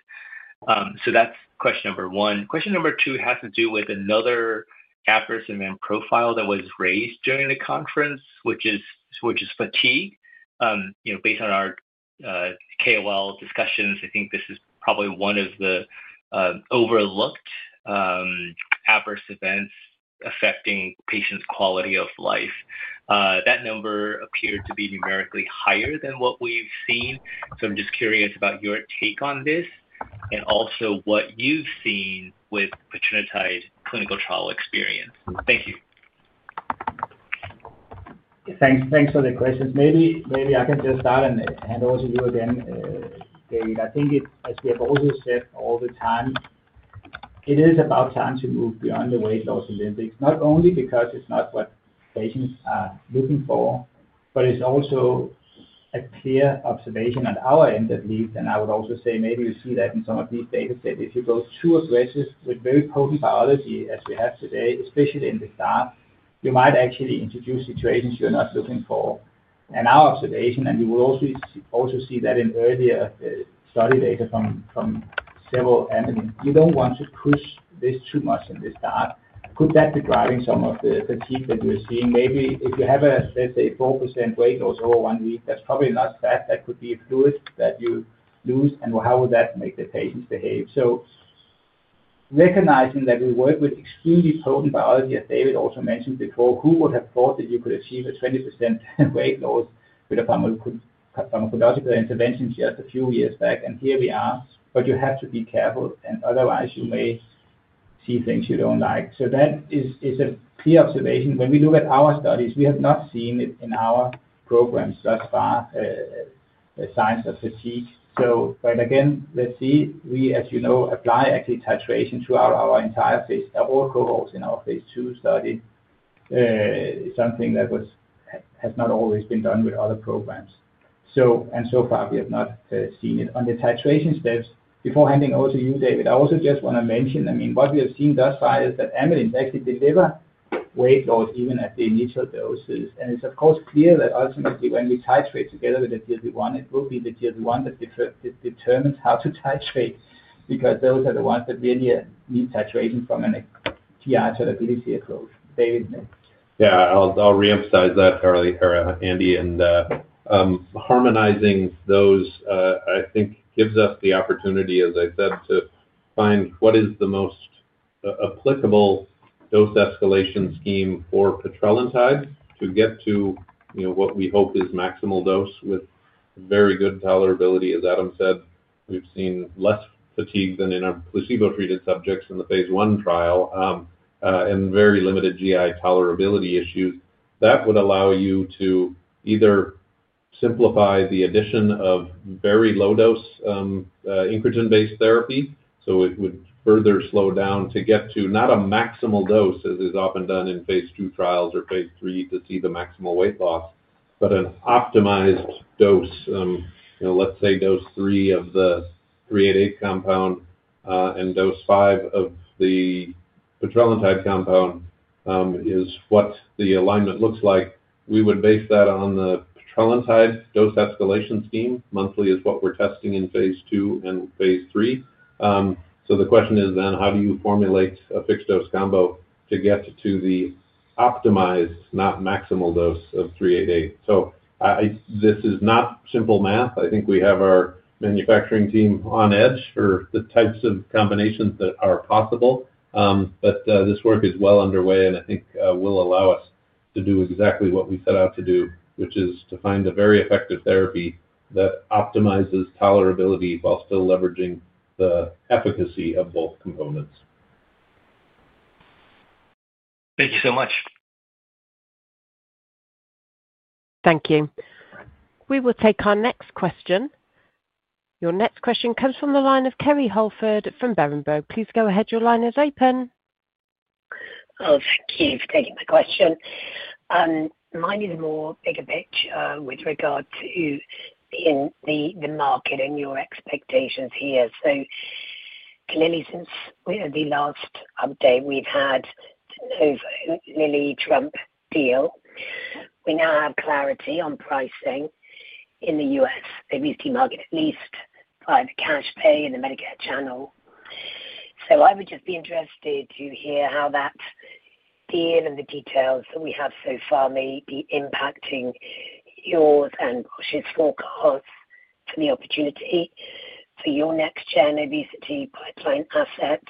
[SPEAKER 9] That's question number one. Question number two has to do with another adverse event profile that was raised during the conference, which is fatigue. Based on our KOL discussions, I think this is probably one of the overlooked adverse events affecting patients' quality of life. That number appeared to be numerically higher than what we've seen. I'm just curious about your take on this and also what you've seen with petrelintide clinical trial experience. Thank you.
[SPEAKER 3] Thanks for the questions. Maybe I can just start and hand over to you again, David. I think, as we have also said all the time, it is about time to move beyond the weight loss Olympics, not only because it's not what patients are looking for, but it's also a clear observation on our end, at least. I would also say maybe you see that in some of these data sets. If you go too aggressive with very potent biology, as we have today, especially in the start, you might actually introduce situations you're not looking for. Our observation, and you will also see that in earlier study data from several amylin, you don't want to push this too much in the start. Could that be driving some of the fatigue that you're seeing? Maybe if you have a, let's say, 4% weight loss over one week, that's probably not fat. That could be fluid that you lose. And how would that make the patients behave? Recognizing that we work with extremely potent biology, as David also mentioned before, who would have thought that you could achieve a 20% weight loss with a pharmacological intervention just a few years back? Here we are. You have to be careful, otherwise, you may see things you don't like. That is a clear observation. When we look at our studies, we have not seen it in our programs thus far, signs of fatigue. Again, let's see. We, as you know, apply actually titration throughout our entire phase, all cohorts in our phase 2 study, something that has not always been done with other programs. So far, we have not seen it. On the titration steps, before handing over to you, David, I also just want to mention, I mean, what we have seen thus far is that amylin actually delivers weight loss even at the initial doses. It is, of course, clear that ultimately, when we titrate together with the GLP-1, it will be the GLP-1 that determines how to titrate because those are the ones that really need titration from a GI tolerability approach. David. Yeah. I'll reemphasize that, Andy. Harmonizing those, I think, gives us the opportunity, as I said, to find what is the most applicable dose escalation scheme for petrelintide to get to what we hope is maximal dose with very good tolerability. As Adam said, we've seen less fatigue than in our placebo-treated subjects in the phase 1 trial and very limited GI tolerability issues. That would allow you to either simplify the addition of very low-dose incretin-based therapy, so it would further slow down to get to not a maximal dose, as is often done in phase 2 trials or phase 3 to see the maximal weight loss, but an optimized dose. Let's say dose 3 of the 388 compound and dose 5 of the petrelintide compound is what the alignment looks like. We would base that on the petrelintide dose escalation scheme. Monthly is what we're testing in phase 2 and phase 3. The question is then, how do you formulate a fixed-dose combo to get to the optimized, not maximal dose of 388? This is not simple math. I think we have our manufacturing team on edge for the types of combinations that are possible. This work is well underway, and I think will allow us to do exactly what we set out to do, which is to find a very effective therapy that optimizes tolerability while still leveraging the efficacy of both components. Thank you so much.
[SPEAKER 1] Thank you. We will take our next question. Your next question comes from the line of Kerry Hulford from Berenberg. Please go ahead. Your line is open.
[SPEAKER 4] Oh, thank you for taking my question. My name is Moore Bigabitch. With regard to the market and your expectations here, clearly, since the last update, we've had the Lilly-Trump deal. We now have clarity on pricing in the US, the VC market, at least via the CashPay and the Medigap channel. I would just be interested to hear how that deal and the details that we have so far may be impacting yours and Boehringer Ingelheim's forecast for the opportunity for your next-gen of VCT pipeline assets.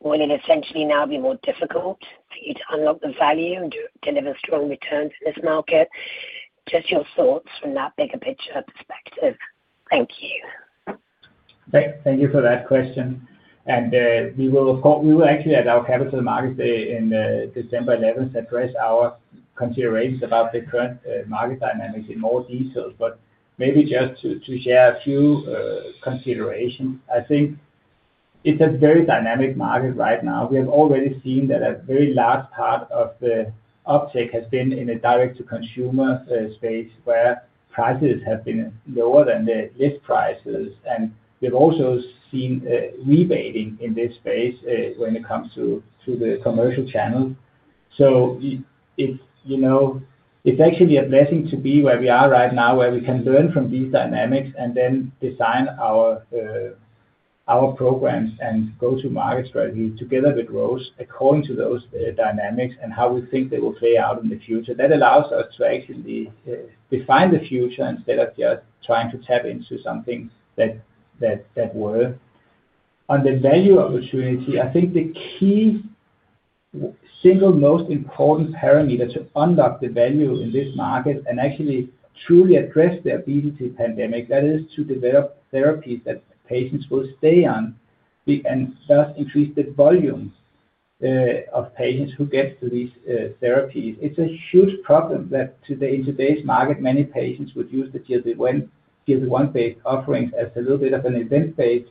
[SPEAKER 4] Will it essentially now be more difficult for you to unlock the value and deliver strong returns in this market? Just your thoughts from that bigger picture perspective. Thank you.
[SPEAKER 3] Thank you for that question. We will actually, at our Capital Markets Day on December 11, address our considerations about the current market dynamics in more detail. Maybe just to share a few considerations. I think it's a very dynamic market right now. We have already seen that a very large part of the uptake has been in the direct-to-consumer space, where prices have been lower than the list prices. We've also seen rebating in this space when it comes to the commercial channel. It's actually a blessing to be where we are right now, where we can learn from these dynamics and then design our programs and go-to-market strategy together with Roche, according to those dynamics and how we think they will play out in the future. That allows us to actually define the future instead of just trying to tap into something that works. On the value opportunity, I think the key single most important parameter to unlock the value in this market and actually truly address the obesity pandemic, that is to develop therapies that patients will stay on and thus increase the volume of patients who get to these therapies. It's a huge problem that in today's market, many patients would use the GLP-1-based offerings as a little bit of an event-based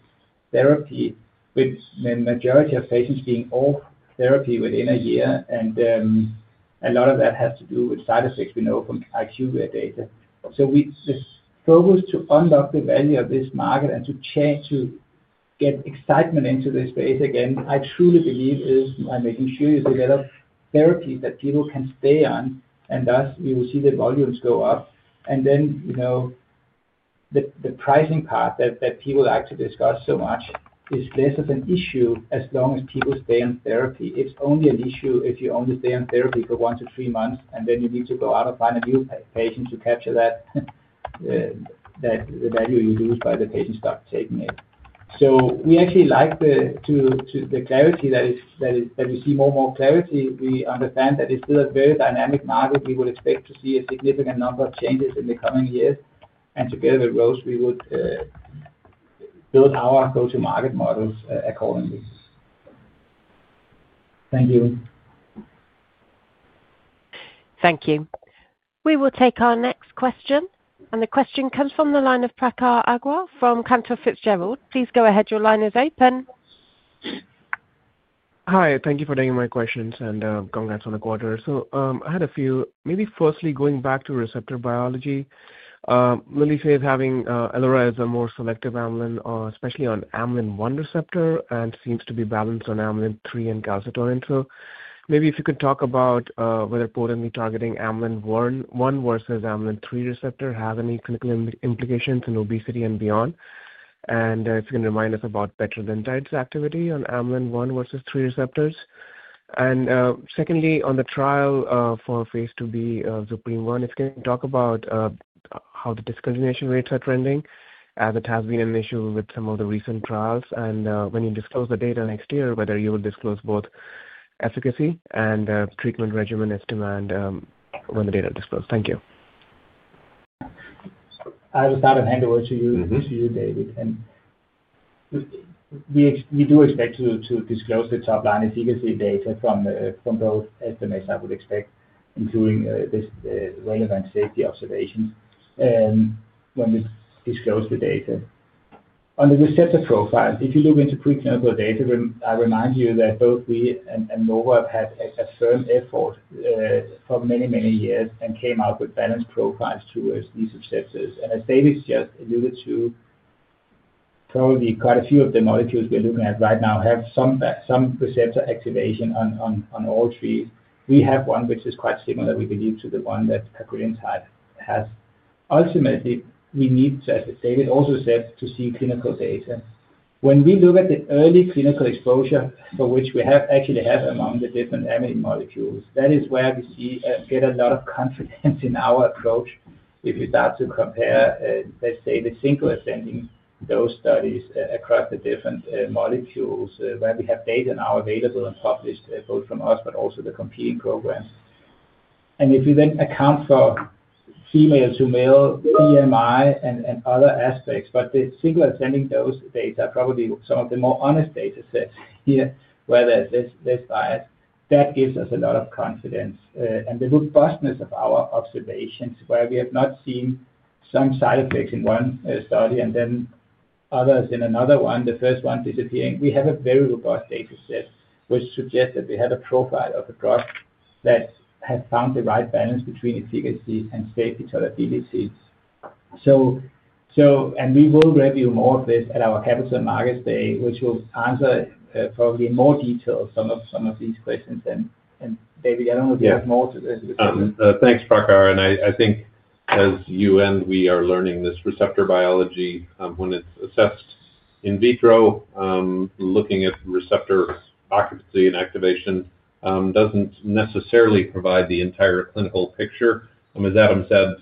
[SPEAKER 3] therapy, with the majority of patients being off therapy within a year. A lot of that has to do with side effects we know from IQVIA data. The focus to unlock the value of this market and to get excitement into this space again, I truly believe is by making sure you develop therapies that people can stay on, and thus we will see the volumes go up. The pricing part that people like to discuss so much is less of an issue as long as people stay on therapy. It's only an issue if you only stay on therapy for one to three months, and then you need to go out and find a new patient to capture the value you lose by the patient stopped taking it. We actually like the clarity that we see, more and more clarity. We understand that it's still a very dynamic market. We would expect to see a significant number of changes in the coming years. Together with Roche, we would build our go-to-market models accordingly. Thank you.
[SPEAKER 1] Thank you. We will take our next question. The question comes from the line of Prakhar Agrawal from Cantor Fitzgerald. Please go ahead. Your line is open.
[SPEAKER 10] Hi. Thank you for taking my questions and congrats on the quarter. I had a few. Maybe firstly, going back to receptor biology, Lilly phase having maritide as a more selective amylin, especially on amylin-1 receptor, and seems to be balanced on amylin-3 and calcitonin. Maybe if you could talk about whether potently targeting amylin-1 versus amylin-3 receptor has any clinical implications in obesity and beyond. If you can remind us about petrelintide's activity on amylin-1 versus 3 receptors. Secondly, on the trial for phase 2 Supreme One, if you can talk about how the discontinuation rates are trending, as it has been an issue with some of the recent trials. When you disclose the data next year, whether you will disclose both efficacy and treatment regimen estimate when the data are disclosed. Thank you.
[SPEAKER 3] I'll just start and hand over to you, David. We do expect to disclose the top-line efficacy data from both estimates. I would expect, including the relevant safety observations when we disclose the data. On the receptor profiles, if you look into preclinical data, I remind you that both we and Novo Nordisk have had a firm effort for many, many years and came out with balanced profiles towards these receptors. As David just alluded to, probably quite a few of the molecules we're looking at right now have some receptor activation on all three. We have one, which is quite similar, we believe, to the one that petrelintide has. Ultimately, we need, as David also said, to see clinical data. When we look at the early clinical exposure for which we actually have among the different amylin molecules, that is where we get a lot of confidence in our approach. If you start to compare, let's say, the single ascending dose studies across the different molecules, where we have data now available and published both from us but also the competing programs. If we then account for female-to-male BMI and other aspects, the single ascending dose data are probably some of the more honest data sets here, where there's less bias, that gives us a lot of confidence. The robustness of our observations, where we have not seen some side effects in one study and then others in another one, the first one disappearing, we have a very robust data set, which suggests that we have a profile of a drug that has found the right balance between efficacy and safety tolerabilities. We will review more of this at our Capital Markets Day, which will answer probably in more detail some of these questions. David, I do not know if you have more to. Thanks, Prakhar. I think as you and we are learning this receptor biology, when it's assessed in vitro, looking at receptor occupancy and activation doesn't necessarily provide the entire clinical picture. As Adam said,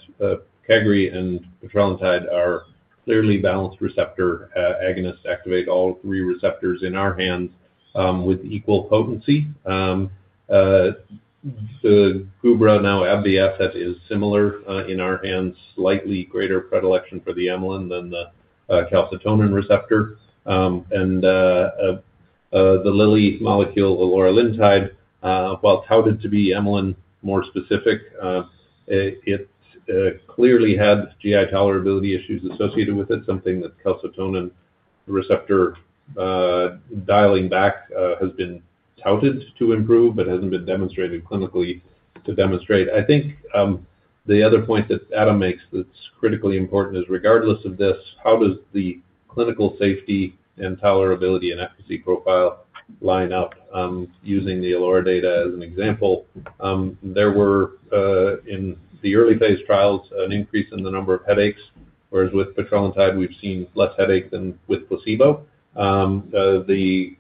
[SPEAKER 3] cagrilintide and petrelintide are clearly balanced receptor agonists, activate all three receptors in our hands with equal potency. The Gubra, now AbbVie, asset is similar in our hands, slightly greater predilection for the amylin than the calcitonin receptor. The Lilly molecule, maritide, while touted to be amylin more specific, it clearly had GI tolerability issues associated with it, something that calcitonin receptor dialing back has been touted to improve, but hasn't been demonstrated clinically to demonstrate. I think the other point that Adam makes that's critically important is, regardless of this, how does the clinical safety and tolerability and efficacy profile line up? Using the Elerar data as an example, there were, in the early phase trials, an increase in the number of headaches, whereas with petrelintide, we've seen less headaches than with placebo. The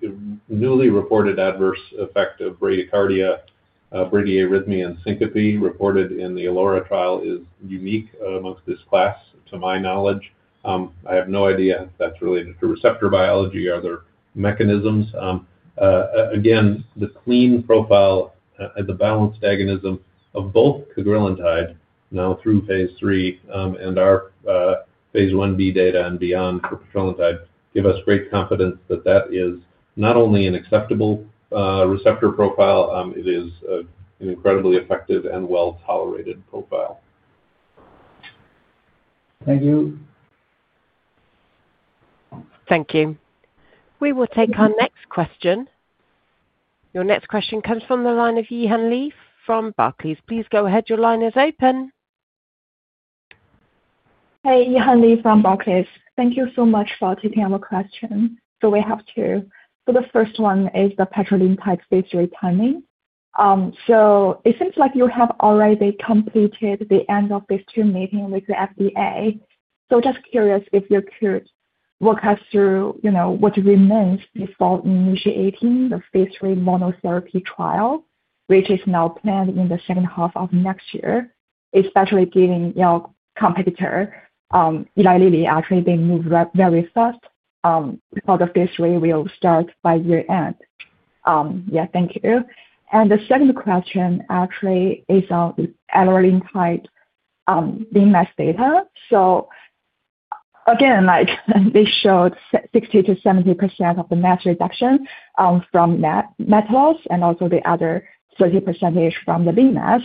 [SPEAKER 3] newly reported adverse effect of bradycardia, bradyarrhythmia, and syncope reported in the Elerar trial is unique amongst this class, to my knowledge. I have no idea if that's related to receptor biology or other mechanisms. Again, the clean profile and the balanced agonism of both cagrilintide now through phase 3 and our phase 1b data and beyond for petrelintide give us great confidence that that is not only an acceptable receptor profile, it is an incredibly effective and well-tolerated profile. Thank you.
[SPEAKER 1] Thank you. We will take our next question. Your next question comes from the line of Yihan Li from Barclays. Please go ahead. Your line is open.
[SPEAKER 11] Hey, Yihan Li from Barclays. Thank you so much for taking our question. We have two. The first one is the petrelintide phase 3 timing. It seems like you have already completed the end of this two-minute meeting with the FDA. Just curious if you could walk us through what remains before initiating the phase 3 monotherapy trial, which is now planned in the second half of next year, especially given your competitor, Eli Lilly, actually being moved very fast for the phase 3, will start by year-end. Thank you. The second question actually is on elarinetide BMS data. Again, they showed 60%-70% of the mass reduction from metabolites and also the other 30% from the BMS.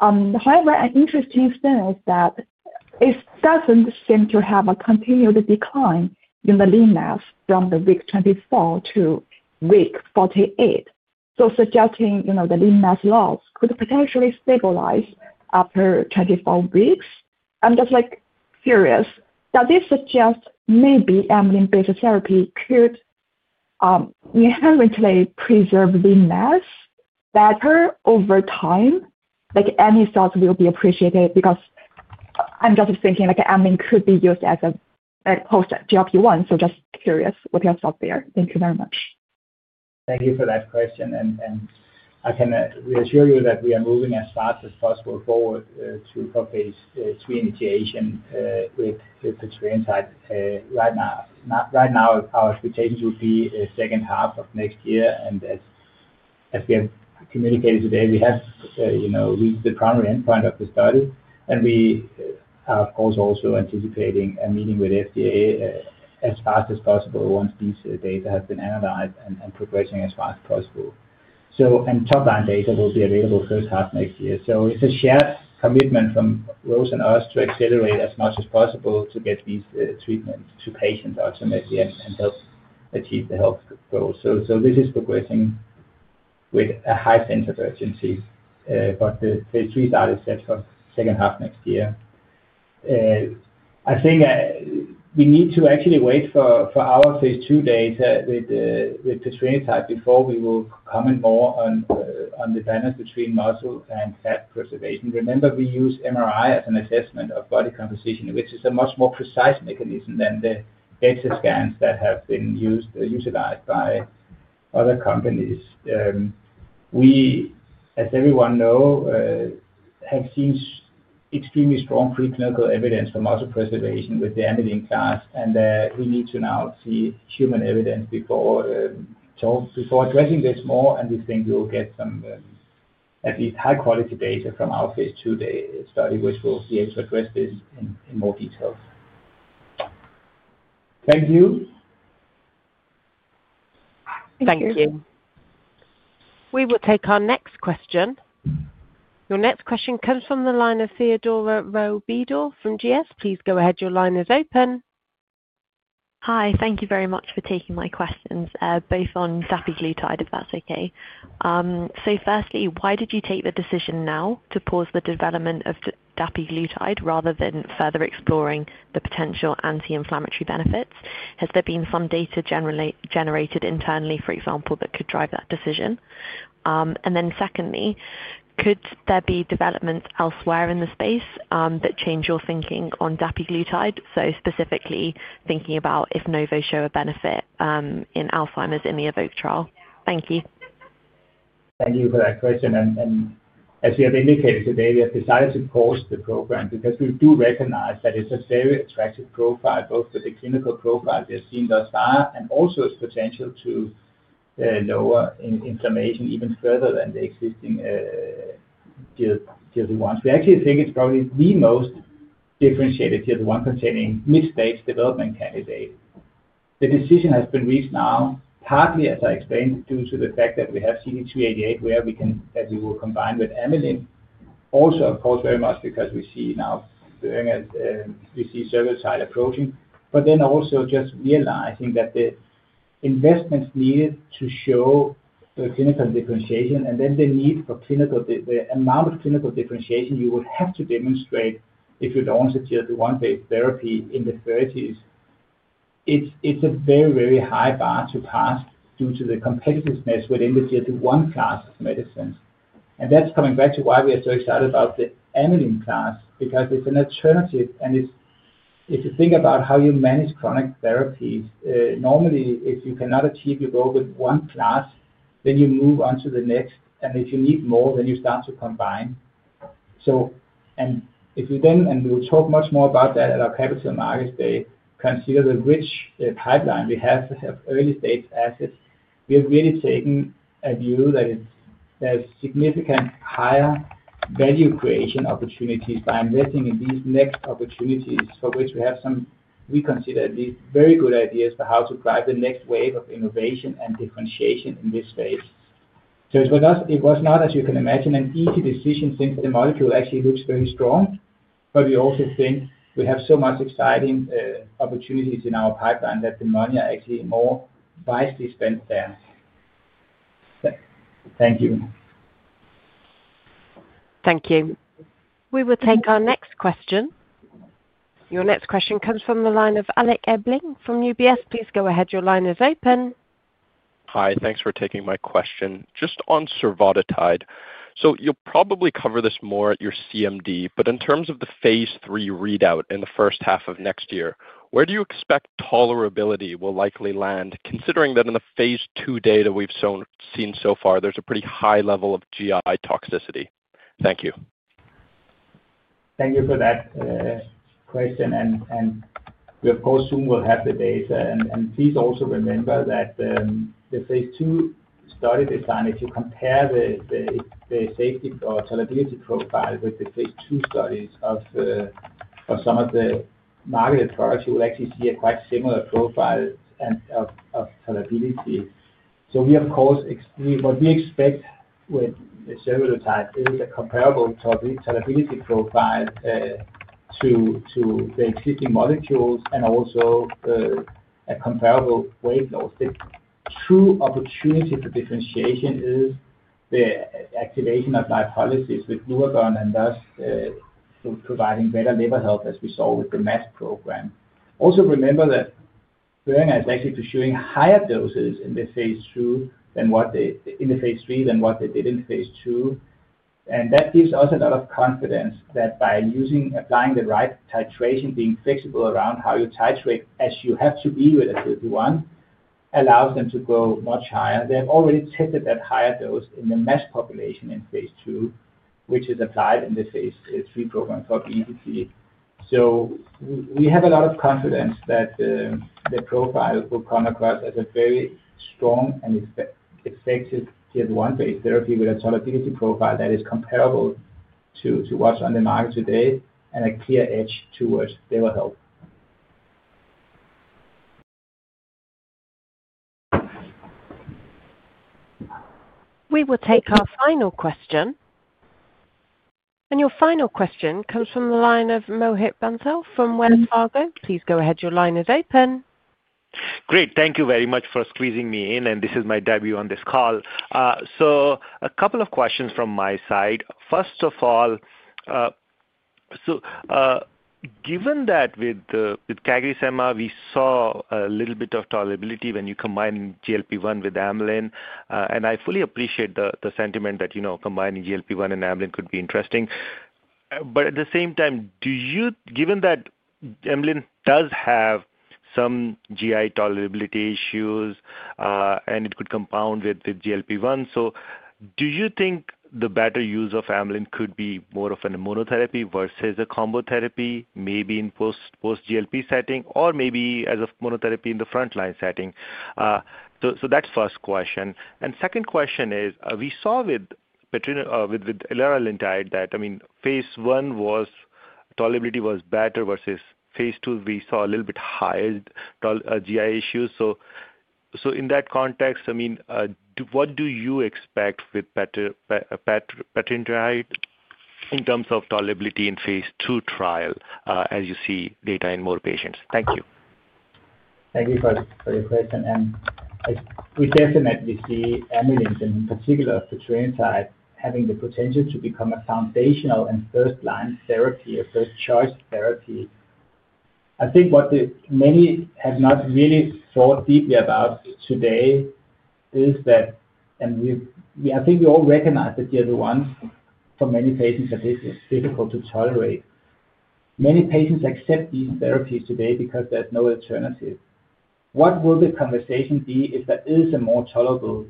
[SPEAKER 11] However, an interesting thing is that it doesn't seem to have a continued decline in the BMI from the week 24 to week 48. Suggesting the BMI loss could potentially stabilize after 24 weeks. I'm just curious, does this suggest maybe amylin-based therapy could inherently preserve BMI better over time? Any thoughts will be appreciated because I'm just thinking amylin could be used as a post-GLP-1. Just curious what your thoughts there. Thank you very much.
[SPEAKER 3] Thank you for that question. I can assure you that we are moving as fast as possible forward to phase 3 initiation with petrelintide right now. Right now, our expectations would be the second half of next year. As we have communicated today, we have the primary endpoint of the study. We are, of course, also anticipating a meeting with the FDA as fast as possible once these data have been analyzed and progressing as fast as possible. Top-line data will be available first half next year. It is a shared commitment from Roche and us to accelerate as much as possible to get these treatments to patients ultimately and help achieve the health goals. This is progressing with a high sense of urgency, but the phase 3 study is set for the second half next year. I think we need to actually wait for our phase 2 data with petrelintide before we will comment more on the balance between muscle and fat preservation. Remember, we use MRI as an assessment of body composition, which is a much more precise mechanism than the DEXA scans that have been utilized by other companies. We, as everyone knows, have seen extremely strong preclinical evidence for muscle preservation with the amylin class. We need to now see human evidence before addressing this more. We think we will get some at least high-quality data from our phase 2 study, which will be able to address this in more detail. Thank you.
[SPEAKER 1] Thank you. We will take our next question. Your next question comes from the line of Theodora Rowe Bedall from GS. Please go ahead. Your line is open.
[SPEAKER 12] Hi. Thank you very much for taking my questions, both on dapiglutide, if that's okay. Firstly, why did you take the decision now to pause the development of dapiglutide rather than further exploring the potential anti-inflammatory benefits? Has there been some data generated internally, for example, that could drive that decision? Secondly, could there be developments elsewhere in the space that change your thinking on dapiglutide? Specifically thinking about if Novo show a benefit in Alzheimer's in the Evoque trial. Thank you.
[SPEAKER 3] Thank you for that question. As we have indicated today, we have decided to pause the program because we do recognize that it's a very attractive profile, both for the clinical profile we have seen thus far and also its potential to lower inflammation even further than the existing tier 1s. We actually think it's probably the most differentiated tier 1-containing mid-stage development candidate. The decision has been reached now, partly, as I explained, due to the fact that we have CT388 where we can, as we will, combine with amylin. Also, of course, very much because we see now we see survodutide approaching, but then also just realizing that the investment needed to show the clinical differentiation and then the need for the amount of clinical differentiation you would have to demonstrate if you don't want a tier 1-based therapy in the 30s. It's a very, very high bar to pass due to the competitiveness within the tier 1 class of medicines. That is coming back to why we are so excited about the amylin class because it's an alternative. If you think about how you manage chronic therapies, normally, if you cannot achieve your goal with one class, you move on to the next. If you need more, you start to combine. We will talk much more about that at our Capital Markets Day. Consider the rich pipeline we have of early-stage assets. We have really taken a view that there's significant higher value creation opportunities by investing in these next opportunities for which we have some we consider to be very good ideas for how to drive the next wave of innovation and differentiation in this space. It was not, as you can imagine, an easy decision since the molecule actually looks very strong. We also think we have so many exciting opportunities in our pipeline that the money is actually more wisely spent there. Thank you.
[SPEAKER 1] Thank you. We will take our next question. Your next question comes from the line of Alec Ebling from UBS. Please go ahead. Your line is open.
[SPEAKER 13] Hi. Thanks for taking my question. Just on survodutide, so you'll probably cover this more at your CMD, but in terms of the phase 3 readout in the first half of next year, where do you expect tolerability will likely land, considering that in the phase 2 data we've seen so far, there's a pretty high level of GI toxicity? Thank you.
[SPEAKER 3] Thank you for that question. We, of course, soon will have the data. Please also remember that the phase 2 study design, if you compare the safety or tolerability profile with the phase 2 studies for some of the marketed products, you will actually see a quite similar profile of tolerability. We, of course, what we expect with survodutide is a comparable tolerability profile to the existing molecules and also a comparable weight loss. The true opportunity for differentiation is the activation of lipolysis with glucagon and thus providing better liver health, as we saw with the MASH program. Also remember that Eli Lilly is actually pursuing higher doses in the phase 3 than what they did in phase 2. That gives us a lot of confidence that by applying the right titration, being flexible around how you titrate as you have to be with a GLP-1, allows them to go much higher. They have already tested that higher dose in the MASH population in phase 2, which is applied in the phase 3 program called Liverage. We have a lot of confidence that the profile will come across as a very strong and effective GLP-1-based therapy with a tolerability profile that is comparable to what's on the market today and a clear edge towards liver health.
[SPEAKER 1] We will take our final question. Your final question comes from the line of Mohit Bansal from Wells Fargo. Please go ahead. Your line is open.
[SPEAKER 14] Great. Thank you very much for squeezing me in. This is my debut on this call. A couple of questions from my side. First of all, given that with cagrilintide and semaglutide, we saw a little bit of tolerability when you combine GLP-1 with amylin. I fully appreciate the sentiment that combining GLP-1 and amylin could be interesting. At the same time, given that amylin does have some GI tolerability issues and it could compound with GLP-1, do you think the better use of amylin could be more of a monotherapy versus a combo therapy, maybe in post-GLP setting, or maybe as a monotherapy in the frontline setting? That is the first question. The second question is, we saw with maritide that, I mean, phase 1 tolerability was better versus phase 2, we saw a little bit higher GI issues. In that context, I mean, what do you expect with petrelintide in terms of tolerability in phase 2 trial as you see data in more patients? Thank you.
[SPEAKER 3] Thank you for your question. We definitely see amylin, in particular petrelintide, having the potential to become a foundational and first-line therapy, a first-choice therapy. I think what many have not really thought deeply about today is that, and I think we all recognize that tier 1, for many patients, is difficult to tolerate. Many patients accept these therapies today because there is no alternative. What will the conversation be if there is a more tolerable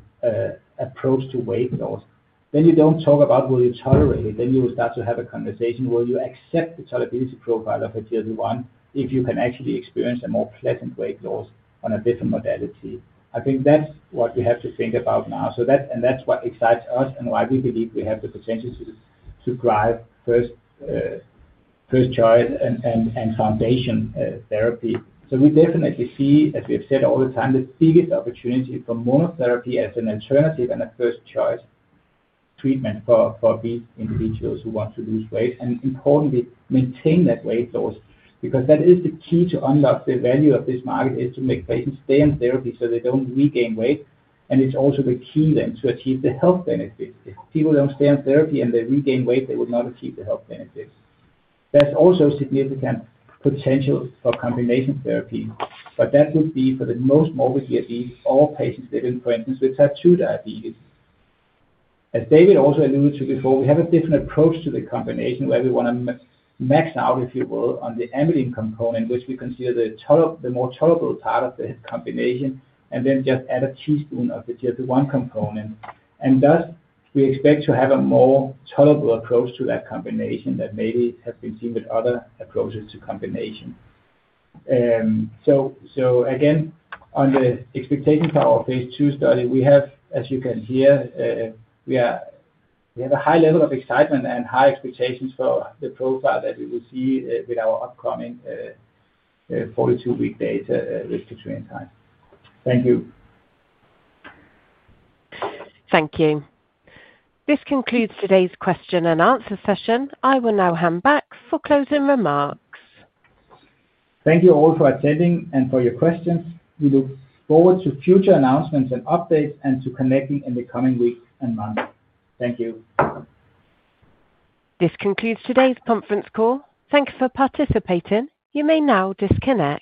[SPEAKER 3] approach to weight loss? You do not talk about, "Will you tolerate it?" You will start to have a conversation, "Will you accept the tolerability profile of a tier 1 if you can actually experience a more pleasant weight loss on a different modality?" I think that is what we have to think about now. That is what excites us and why we believe we have the potential to drive first-choice and foundation therapy. We definitely see, as we have said all the time, the biggest opportunity for monotherapy as an alternative and a first-choice treatment for these individuals who want to lose weight and, importantly, maintain that weight loss because that is the key to unlock the value of this market, to make patients stay on therapy so they do not regain weight. It is also the key then to achieve the health benefits. If people do not stay on therapy and they regain weight, they will not achieve the health benefits. There is also significant potential for combination therapy, but that would be for the most morbidly diseased or patients living, for instance, with type 2 diabetes. As David also alluded to before, we have a different approach to the combination where we want to max out, if you will, on the amylin component, which we consider the more tolerable part of the combination, and then just add a teaspoon of the GLP-1 component. Thus, we expect to have a more tolerable approach to that combination than maybe has been seen with other approaches to combination. Again, on the expectations for our phase 2 study, as you can hear, we have a high level of excitement and high expectations for the profile that we will see with our upcoming 42-week data with petrelintide. Thank you.
[SPEAKER 1] Thank you. This concludes today's question and answer session. I will now hand back for closing remarks.
[SPEAKER 3] Thank you all for attending and for your questions. We look forward to future announcements and updates and to connecting in the coming weeks and months. Thank you.
[SPEAKER 1] This concludes today's conference call. Thanks for participating. You may now disconnect.